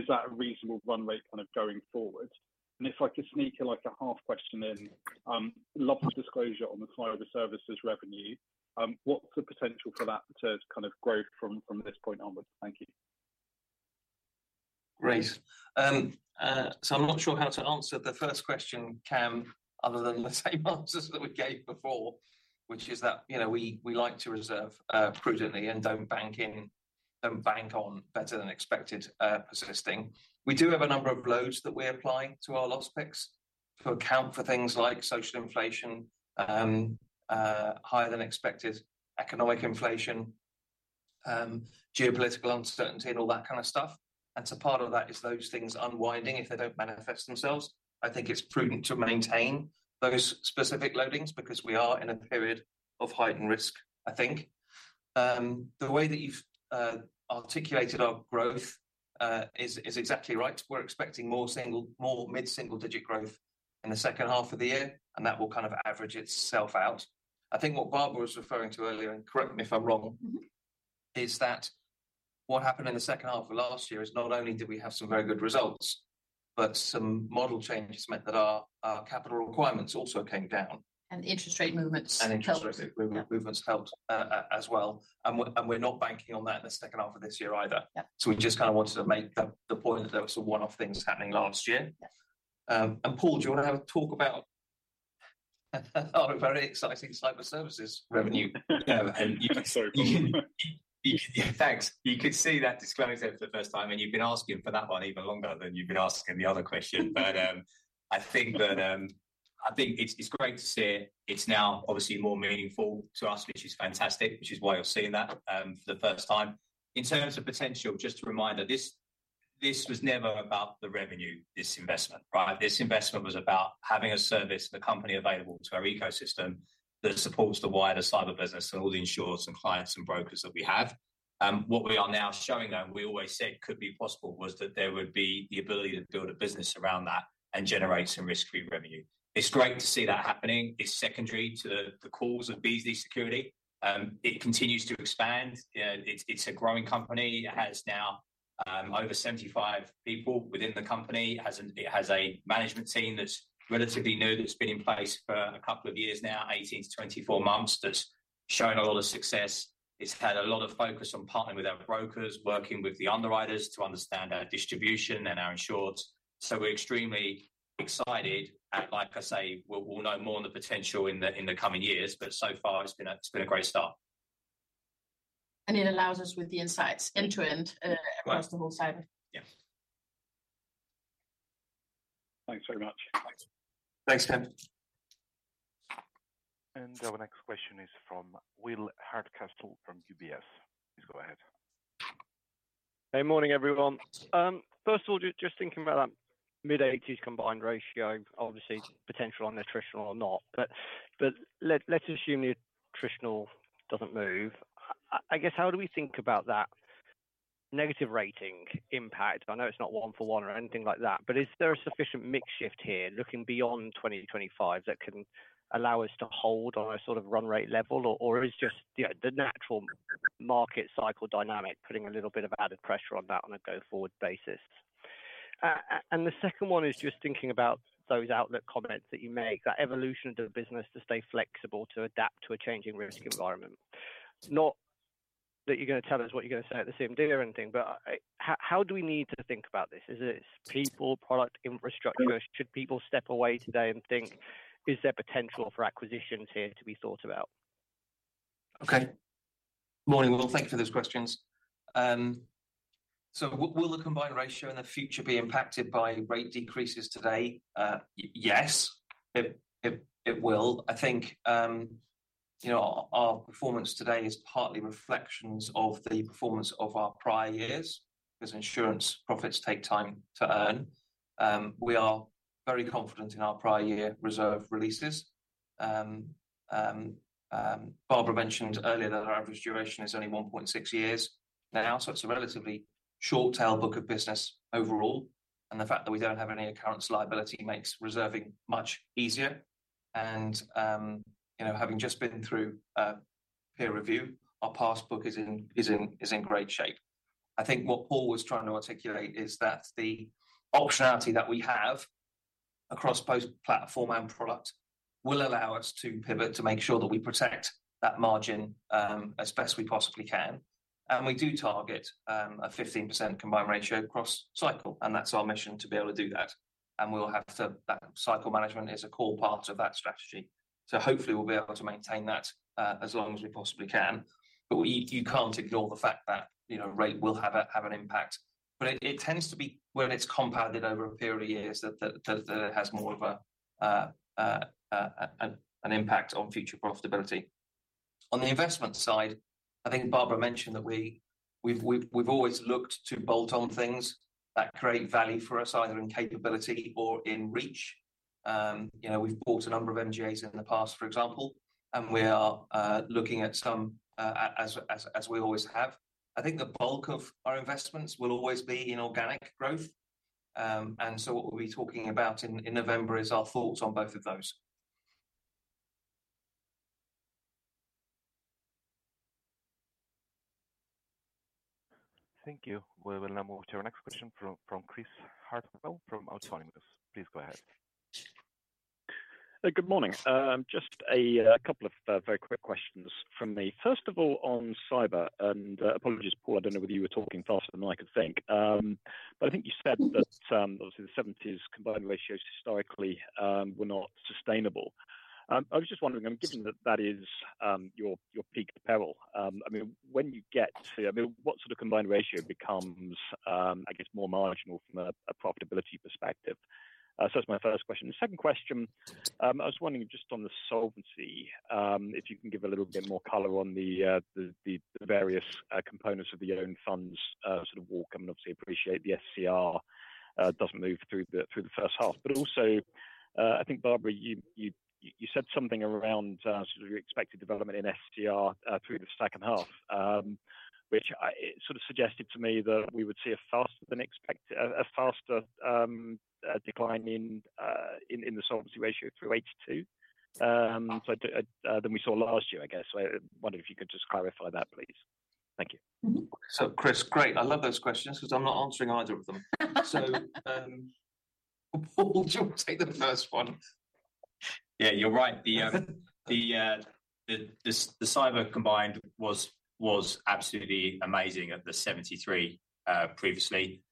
Is that a reasonable run rate going forward? If I could sneak in like a half question in, lots of disclosure on the client of the services revenue, what's the potential for that to grow from this point onward? Thank you. Great. I'm not sure how to answer the first question, Kam, other than the same answers that we gave before, which is that, you know, we like to reserve prudently and don't bank in, don't bank on better than expected as a thing. We do have a number of loads that we apply to our loss picks to account for things like social inflation, higher than expected economic inflation, geopolitical uncertainty, and all that kind of stuff. Part of that is those things unwinding, if they don't manifest themselves. I think it's prudent to maintain those specific loadings because we are in a period of heightened risk, I think. The way that you've articulated our growth is exactly right. We're expecting more mid-single digit growth in the second half of the year, and that will kind of average itself out. I think what Barbara was referring to earlier, and correct me if I'm wrong, is that what happened in the second half of last year is not only did we have some very good results, but some model changes meant that our capital requirements also came down. Interest rate movements. Interest rate movements helped as well. We're not banking on that in the second half of this year either. We just wanted to make the point that it was a one-off thing that's happening last year. Paul, do you want to talk about our very exciting cyber services revenue? Yeah, you could see that disclosure for the first time, and you've been asking for that one even longer than you've been asking the other question. I think it's great to see it. It's now obviously more meaningful to us, which is fantastic, which is why I've seen that for the first time. In terms of potential, just to remind that this was never about the revenue, this investment, right? This investment was about having a service and a company available to our ecosystem that supports the wider cyber business, all the insurers and clients and brokers that we had. What we are now showing them, we always said could be possible, was that there would be the ability to build a business around that and generate some risk-free revenue. It's great to see that happening. It's secondary to the cause of Beazley Security. It continues to expand. It's a growing company. It has now over 75 people within the company. It has a management team that's relatively new, that's been in place for a couple of years now, 18 to 24 months, that's shown a lot of success. It's had a lot of focus on partnering with our brokers, working with the underwriters to understand our distribution and our insurance. We're extremely excited. Like I say, we'll know more on the potential in the coming years, but so far it's been a great start. It allows us with the insights end-to-end across the whole cyber. Thanks, Kam. Our next question is from Will Hardcastle from UBS. Please go ahead. Hey, morning everyone. First of all, just thinking about that mid-80s combined ratio, obviously potential on the attritional or not, but let's assume the attritional doesn't move. I guess how do we think about that negative rating impact? I know it's not one for one or anything like that, but is there a sufficient mix shift here looking beyond 2025 that can allow us to hold on a sort of run rate level, or is just the natural market cycle dynamic putting a little bit of added pressure on that on a go-forward basis? The second one is just thinking about those outlook comments that you make, that evolution of the business to stay flexible, to adapt to a changing risk environment. Not that you're going to tell us what you're going to say at the CMD or anything, but how do we need to think about this? Is it people, product, infrastructure? Should people step away today and think, is there potential for acquisitions here to be thought about? Okay. Morning. Thank you for those questions. Will the combined ratio in the future be impacted by rate decreases today? Yes, it will. I think our performance today is partly reflections of the performance of our prior years because insurance profits take time to earn. We are very confident in our prior year reserve releases. Barbara mentioned earlier that our average duration is only 1.6 years. Now, such a relatively short tail book of business overall, and the fact that we don't have any occurrence liability makes reserving much easier. Having just been through peer review, our past book is in great shape. I think what Paul was trying to articulate is that the optionality that we have across both platform and product will allow us to pivot to make sure that we protect that margin as best we possibly can. We do target a 15% combined ratio across cycle, and that's our mission to be able to do that. We have to, that cycle management is a core part of that strategy. Hopefully, we'll be able to maintain that as long as we possibly can. You can't ignore the fact that rate will have an impact. It tends to be when it's compounded over a period of years that it has more of an impact on future profitability. On the investment side, I think Barbara mentioned that we've always looked to bolt on things that create value for us, either in capability or in reach. We've bought a number of NGAs in the past, for example, and we are looking at some, as we always have. I think the bulk of our investments will always be in organic growth. What we'll be talking about in November is our thoughts on both of those. Thank you. We will now move to our next question from Chris Hartwell from Autonomous. Please go ahead. Good morning. Just a couple of very quick questions from me. First of all, on cyber, and apologies, Paul, I don't know whether you were talking faster than I could think. I think you said that obviously the 70% combined ratios historically were not sustainable. I was just wondering, given that that is your peak peril, when you get to, I mean, what sort of combined ratio becomes, I guess, more marginal from a profitability perspective? That's my first question. The second question, I was wondering just on the solvency, if you can give a little bit more color on the various components of the own funds sort of walk. Obviously, I appreciate the SCR doesn't move through the first half, but also, I think, Barbara, you said something around your expected development in SCR through the second half, which suggested to me that we would see a faster than expected, a faster decline in the solvency ratio through 2022 than we saw last year, I guess. I wonder if you could just clarify that, please. Thank you. Chris, great. I love those questions because I'm not answering either of them. We'll take the first one. Yeah, you're right. The cyber combined was absolutely amazing at the 73 previously.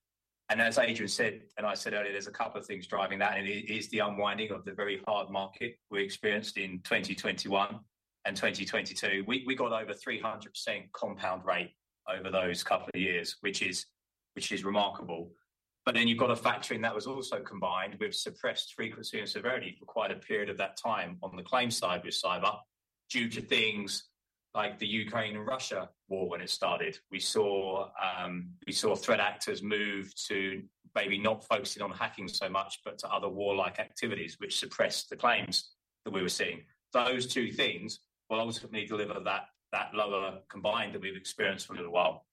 As Adrian said, and I said earlier, there's a couple of things driving that. It is the unwinding of the very hard market we experienced in 2021 and 2022. We got over 300% compound rate over those couple of years, which is remarkable. You've got to factor in that was also combined with suppressed frequency and severity for quite a period of that time on the claim side with cyber due to things like the Ukraine and Russia war when it started. We saw threat actors move to maybe not focusing on hacking so much, but to other war-like activities, which suppressed the claims that we were seeing. Those two things, whilst we deliver that lower combined that we've experienced for a little while,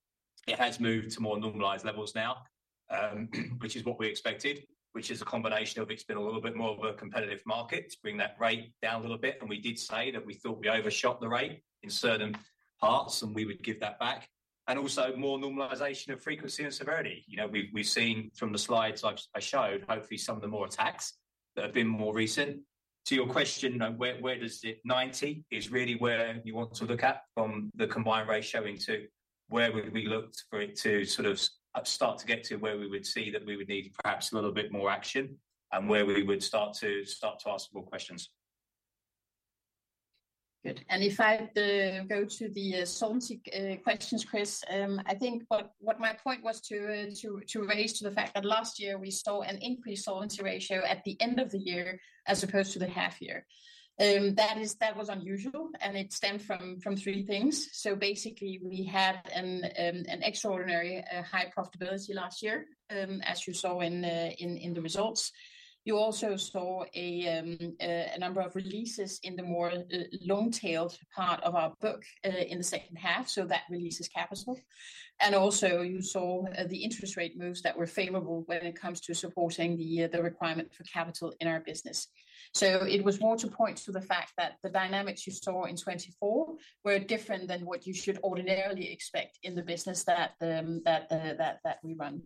it has moved to more normalized levels now, which is what we expected, which is a combination of it's been a little bit more of a competitive market to bring that rate down a little bit. We did say that we thought we overshot the rate in certain parts, and we would give that back. Also, more normalization of frequency and severity. We've seen from the slides I showed, hopefully, some of the more attacks that have been more recent. To your question, where does it 90 is really where you want us to look at from the combined ratio into where we looked for it to sort of start to get to where we would see that we would need perhaps a little bit more action and where we would start to start to ask more questions. Good. If I have to go to the solvency questions, Chris, I think my point was to raise the fact that last year we saw an increased Solvency II ratio at the end of the year as opposed to the half year. That was unusual, and it stemmed from three things. Basically, we had extraordinarily high profitability last year, as you saw in the results. You also saw a number of releases in the more long-tailed part of our book in the second half, so that releases capital. You saw the interest rate moves that were favorable when it comes to supporting the requirement for capital in our business. It was more to point to the fact that the dynamics you saw in 2024 were different than what you should ordinarily expect in the business that we run.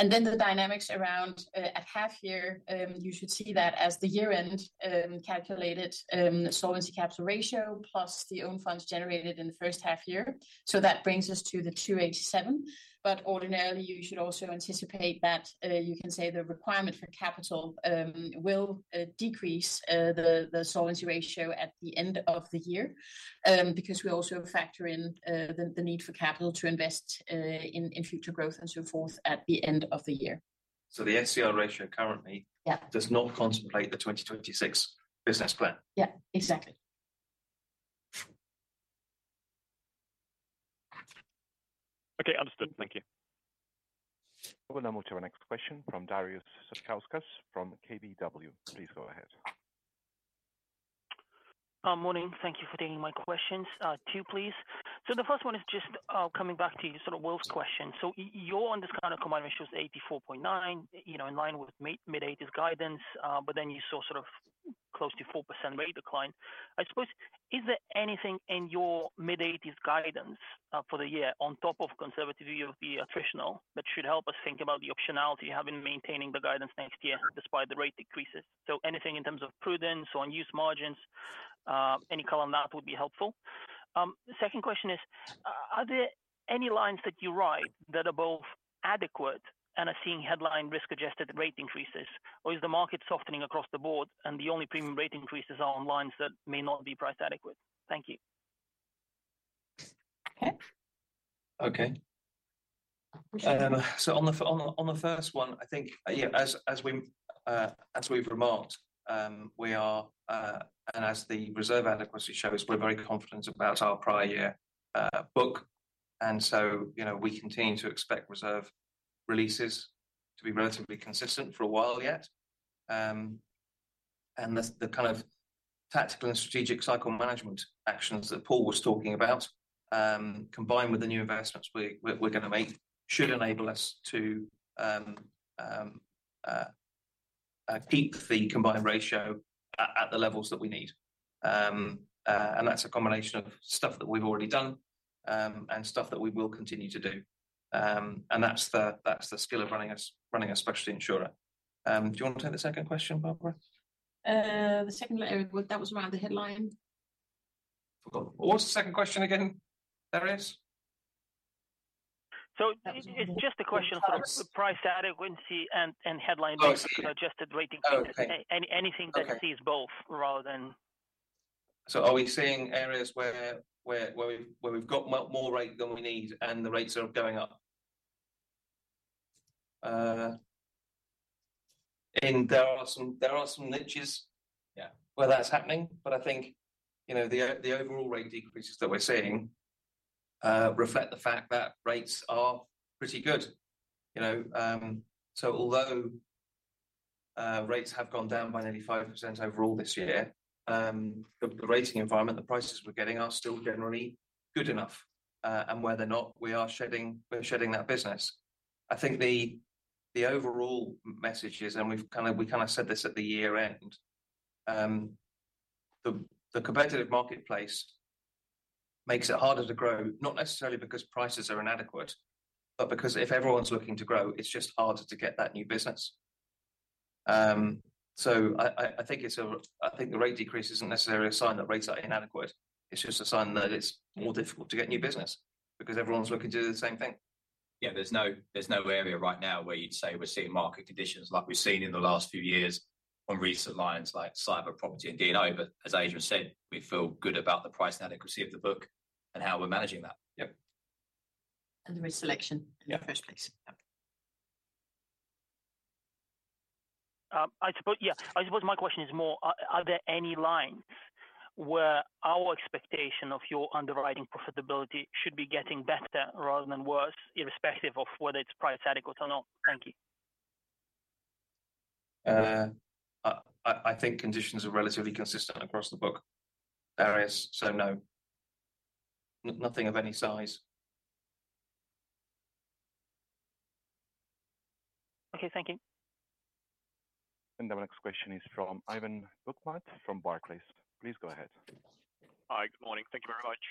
The dynamics around a half year, you should see that as the year-end calculated solvency capital ratio plus the own funds generated in the first half year. That brings us to the 287%. Ordinarily, you should also anticipate that the requirement for capital will decrease the solvency ratio at the end of the year because we also factor in the need for capital to invest in future growth and so forth at the end of the year. The SCR ratio currently does not contemplate the 2026 business plan. Exactly. Okay, understood. Thank you. will now move to our next question from Darius Satkauskas from KBW. Please go ahead. Morning. Thank you for taking my questions, two, please. The first one is just coming back to you, sort of Will's question. You're on this kind of combined ratio of 84.9%, you know, in line with mid-80s guidance, but then you saw sort of close to 4% rate decline. I suppose, is there anything in your mid-80s guidance for the year on top of conservative view of the attritional that should help us think about the optionality you have in maintaining the guidance next year despite the rate decreases? Anything in terms of prudence or unused margins, any color on that would be helpful. The second question is, are there any lines that you write that are both adequate and are seeing headline risk-adjusted rate increases, or is the market softening across the board and the only premium rate increases are on lines that may not be price adequate? Thank you. Okay. On the first one, as we've remarked, we are, and as the reserve adequacy shows, we're very confident about our prior year book. We continue to expect reserve releases to be relatively consistent for a while yet. The kind of tactical and strategic cycle management actions that Paul was talking about, combined with the new investments we're going to make, should enable us to keep the combined ratio at the levels that we need. That's a combination of stuff that we've already done and stuff that we will continue to do. That's the skill of running a specialty insurer. Do you want to take the second question, Barbara? The second was around the headline. What's the second question again, Darius? It's just a question of sort of price adequacy and headline both, because I just did rating changes. Anything that sees both rather than. Are we seeing areas where we've got more rate than we need and the rates are going up? There are some niches where that's happening, but I think the overall rate decreases that we're seeing reflect the fact that rates are pretty good. Although rates have gone down by nearly 5% overall this year, the rating environment, the prices we're getting are still generally good enough. Whether or not we are shedding that business, I think the overall message is, and we've kind of said this at the year-end, the competitive marketplace makes it harder to grow, not necessarily because prices are inadequate, but because if everyone's looking to grow, it's just harder to get that new business. I think the rate decrease isn't necessarily a sign that rates are inadequate. It's just a sign that it's more difficult to get new business because everyone's looking to do the same thing. Yeah, there's no area right now where you'd say we're seeing market conditions like we've seen in the last few years on recent lines like cyber insurance, property insurance, and D&O. As Adrian said, we feel good about the price and adequacy of the book and how we're managing that. Yeah. The risk selection in the first place. Yeah, I suppose my question is more, are there any lines where our expectation of your underwriting profitability should be getting better rather than worse, irrespective of whether it's price adequate or not? Thank you. I think conditions are relatively consistent across the book, Darius, so no, nothing of any size. Okay, thank you. Our next question is from Ivan Bokhmat from Barclays. Please go ahead. Hi, good morning. Thank you very much.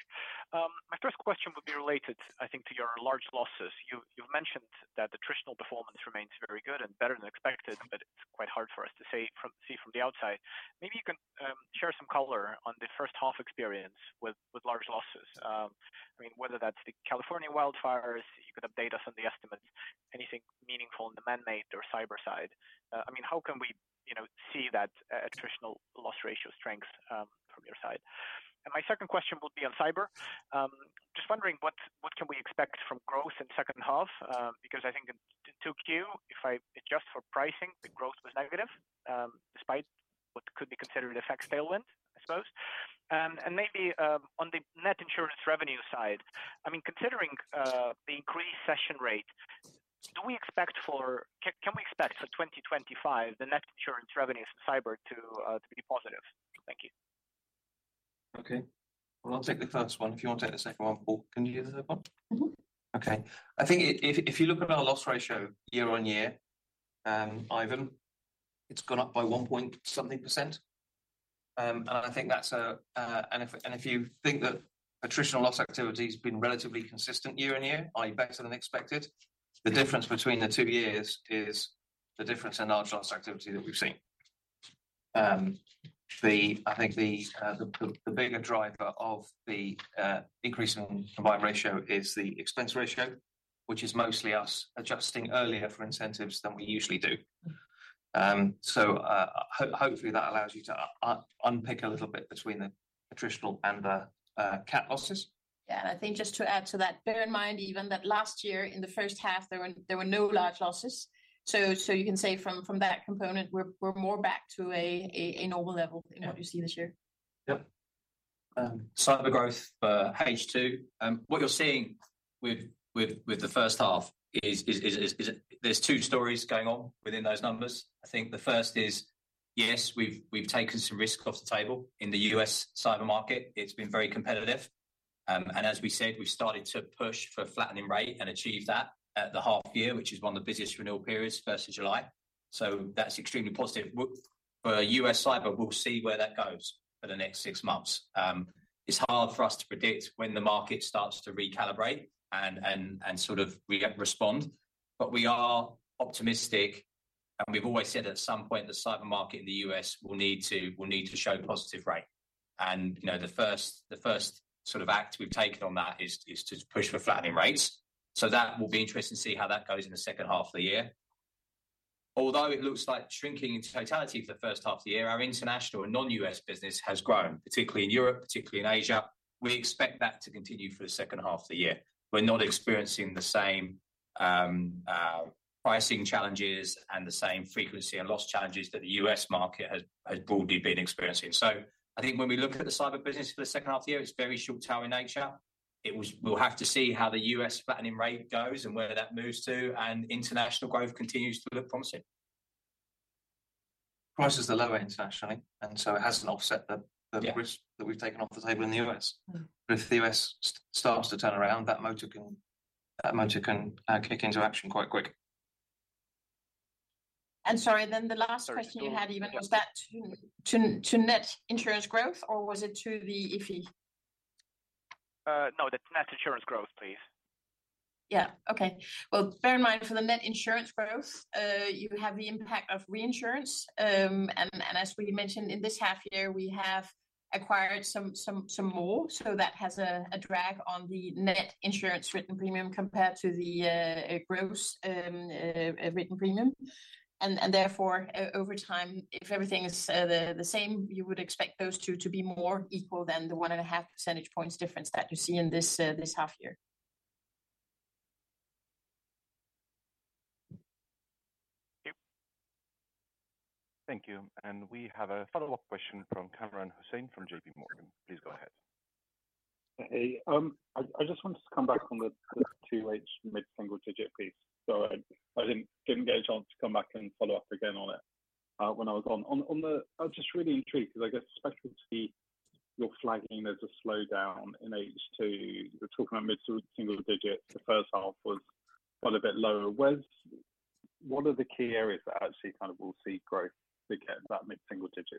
My first question would be related, I think, to your large losses. You've mentioned that the traditional performance remains very good and better than expected, but it's quite hard for us to see from the outside. Maybe you can share some color on the first half experience with large losses. I mean, whether that's the California wildfires, you could update us on the estimates, anything meaningful in the man-made or cyber side. How can we, you know, see that attritional loss ratio strength from your side? My second question will be on cyber. Just wondering, what can we expect from growth in the second half? Because I think in Q2, if I adjust for pricing, the growth was negative, despite what could be considered an effect stalemate, I suppose. Maybe on the net insurance revenue side, considering the increased session rate, do we expect for, can we expect for 2025 the net insurance revenues for cyber to be positive? Thank you. Okay. I'll take the first one. If you want to take the second one, Paul, can you use the second one? Mm-hmm. Okay. I think if you look at our loss ratio year on year, Ivan, it's gone up by 1.something %. I think that's a, and if you think that attritional loss activity has been relatively consistent year on year, i.e. better than expected, the difference between the two years is the difference in large loss activity that we've seen. I think the bigger driver of the increase in combined ratio is the expense ratio, which is mostly us adjusting earlier for incentives than we usually do. Hopefully that allows you to unpick a little bit between the attritional and the cat losses. Yeah, I think just to add to that, bear in mind even that last year in the first half, there were no large losses. You can say from that component, we're more back to a normal level than what we've seen this year. Yep. Cyber growth for H2. What you're seeing with the first half is there's two stories going on within those numbers. I think the first is, yes, we've taken some risk off the table in the U.S. cyber market. It's been very competitive. As we said, we've started to push for a flattening rate and achieve that at the half year, which is one of the busiest renewal periods, 1st of July. That's extremely positive. For U.S. cyber, we'll see where that goes for the next six months. It's hard for us to predict when the market starts to recalibrate and we have to respond. We are optimistic, and we've always said at some point the cyber market in the U.S. will need to show positive rate. The first act we've taken on that is to push for flattening rates. That will be interesting to see how that goes in the second half of the year. Although it looks like shrinking in totality for the first half of the year, our international and non-U.S. business has grown, particularly in Europe, particularly in Asia. We expect that to continue for the second half of the year. We're not experiencing the same pricing challenges and the same frequency and loss challenges that the U.S. market has broadly been experiencing. I think when we look at the cyber business for the second half of the year, it's very short-term in nature. We'll have to see how the U.S. flattening rate goes and where that moves to, and international growth continues to look promising. Prices are lower internationally, and so it hasn't offset the boost that we've taken off the table in the U.S. If the U.S. starts to turn around, that motor can kick into action quite quick. Sorry, the last question you had, Ivan, was that to net insurance growth or was it to the IFI? No, the net insurance growth, please. Okay. Bear in mind for the net insurance growth, you have the impact of reinsurance. As we mentioned, in this half year, we have acquired some more, so that has a drag on the net insurance written premium compared to the gross written premium. Therefore, over time, if everything is the same, you would expect those two to be more equal than the 1.5 percentage points difference that you see in this half year. Okay. Thank you. We have a follow-up question from Kamran Hossain from JPMorgan. Please go ahead. I just wanted to come back on the QH mid-single digit, please. I didn't get a chance to come back and follow up again on it when I was on. I'm just really intrigued because I guess expecting to see your flagging there's a slowdown in H2. You're talking about mid-single digit. The first half was quite a bit lower. What are the key areas that actually kind of will see growth to get that mid-single digit?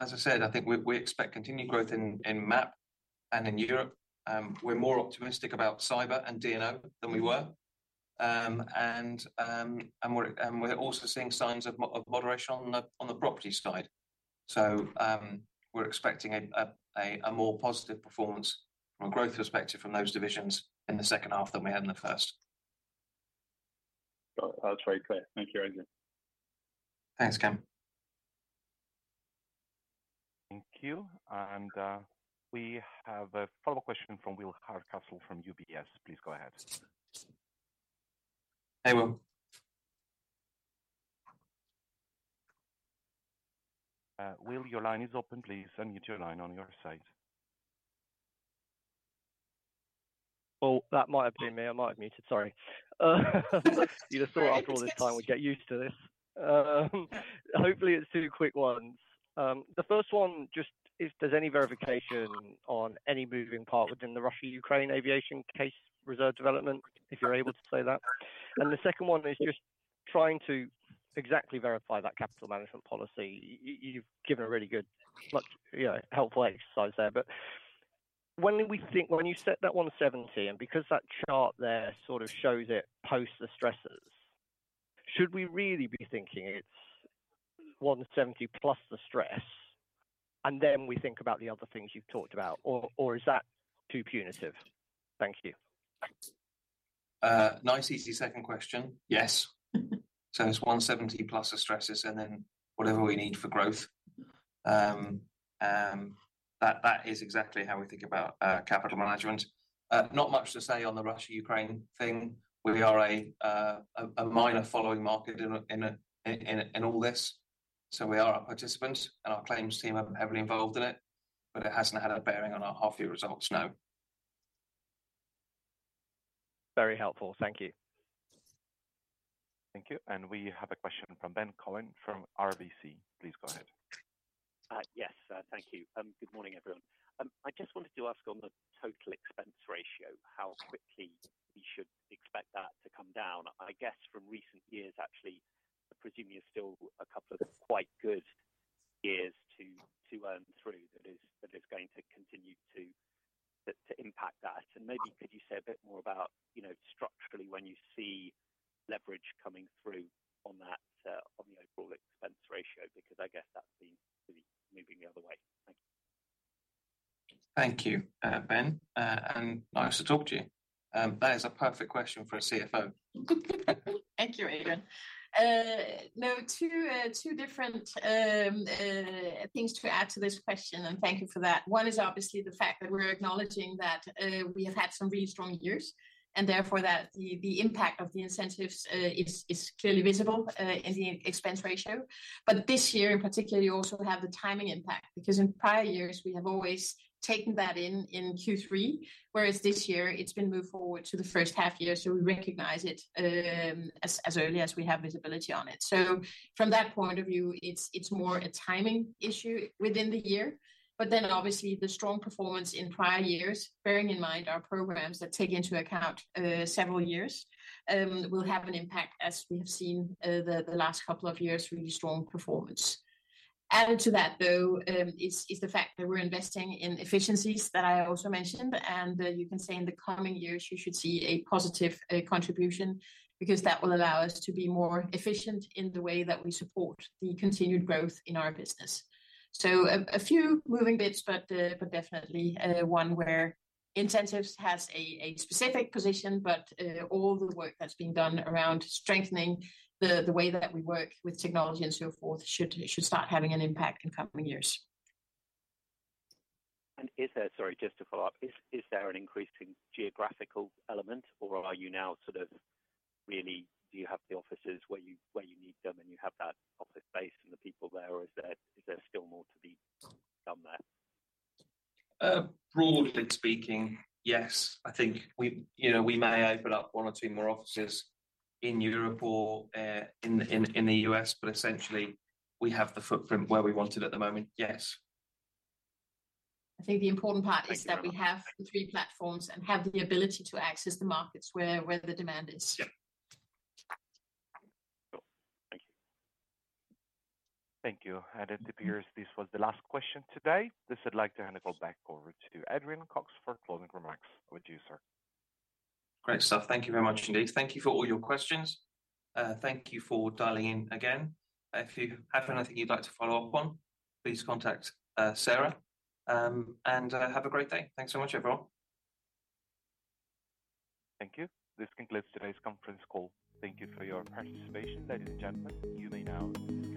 As I said, I think we expect continued growth in MAP and in Europe. We're more optimistic about cyber and DNO than we were. We're also seeing signs of moderation on the property side. We're expecting a more positive performance from a growth perspective from those divisions in the second half than we had in the first. That's very clear. Thank you, Adrian. Thanks, Kam. Thank you. We have a follow-up question from Will Hardcastle from UBS. Please go ahead. Hey, Will. Will, your line is open, please, your turn on your side. I might have muted. Sorry. You just thought after all this time we'd get used to this. Hopefully it's two quick ones. The first one just is if there's any verification on any moving part within the Russia-Ukraine aviation case reserve development, if you're able to say that. The second one is just trying to exactly verify that capital management policy. You've given a really good, you know, helpful exercise there. When we think, when you set that 170, and because that chart there sort of shows it post the stressors, should we really be thinking it's 170 plus the stress and then we think about the other things you've talked about, or is that too punitive? Thank you. Nicely to your second question. Yes, it's 170 plus the stressors and then whatever we need for growth. That is exactly how we think about capital management. Not much to say on the Russia-Ukraine thing. We are a minor following market in all this. We are a participant. Our claims team are heavily involved in it, but it hasn't had a bearing on our half-year results, no. Very helpful. Thank you. Thank you. We have a question from Ben Cohen from RBC. Please go ahead. Yes, thank you. Good morning, everyone. I just wanted to ask on the total expense ratio, how quickly we should expect that to come down. I guess from recent years, actually, presumably it's still a couple of quite good years to earn through that is going to continue to impact that. Maybe could you say a bit more about, you know, structurally when you see leverage coming through on that, on the overall expense ratio? I guess that's been moving the other way. Thank you, Ben. Nice to talk to you. That is a perfect question for a CFO. Thank you, Adrian. No, two different things to add to this question, and thank you for that. One is obviously the fact that we're acknowledging that we have had some really strong years, and therefore that the impact of the incentives is clearly visible in the expense ratio. This year, in particular, you also have the timing impact, because in prior years, we have always taken that in in Q3, whereas this year, it's been moved forward to the first half year, so we recognize it as early as we have visibility on it. From that point of view, it's more a timing issue within the year. Obviously, the strong performance in prior years, bearing in mind our programs that take into account several years, will have an impact, as we have seen the last couple of years, really strong performance. Added to that, though, is the fact that we're investing in efficiencies that I also mentioned. You can say in the coming years, we should see a positive contribution because that will allow us to be more efficient in the way that we support the continued growth in our business. A few moving bits, but definitely one where incentives has a specific position, but all the work that's been done around strengthening the way that we work with technology and so forth should start having an impact in coming years. Is there an increasing geographical element, or are you now really, do you have the offices where you need them and you have that office base and the people there, or is there still more to be done there? Broadly speaking, yes. I think we may open up one or two more offices in Europe or in the U.S., but essentially, we have the footprint where we want it at the moment, yes. I think the important part is that we have the three platforms and have the ability to access the markets where the demand is. Thank you. It appears this was the last question today. I would like to hand it back over to Adrian Cox for closing remarks. Over to you, sir. Great stuff. Thank you very much indeed. Thank you for all your questions. Thank you for dialing in again. If you have anything you'd like to follow up on, please contact Sarah Booth. Have a great day. Thanks so much, everyone. Thank you. This concludes today's conference call. Thank you for your participation, ladies and gentlemen. You may now disconnect.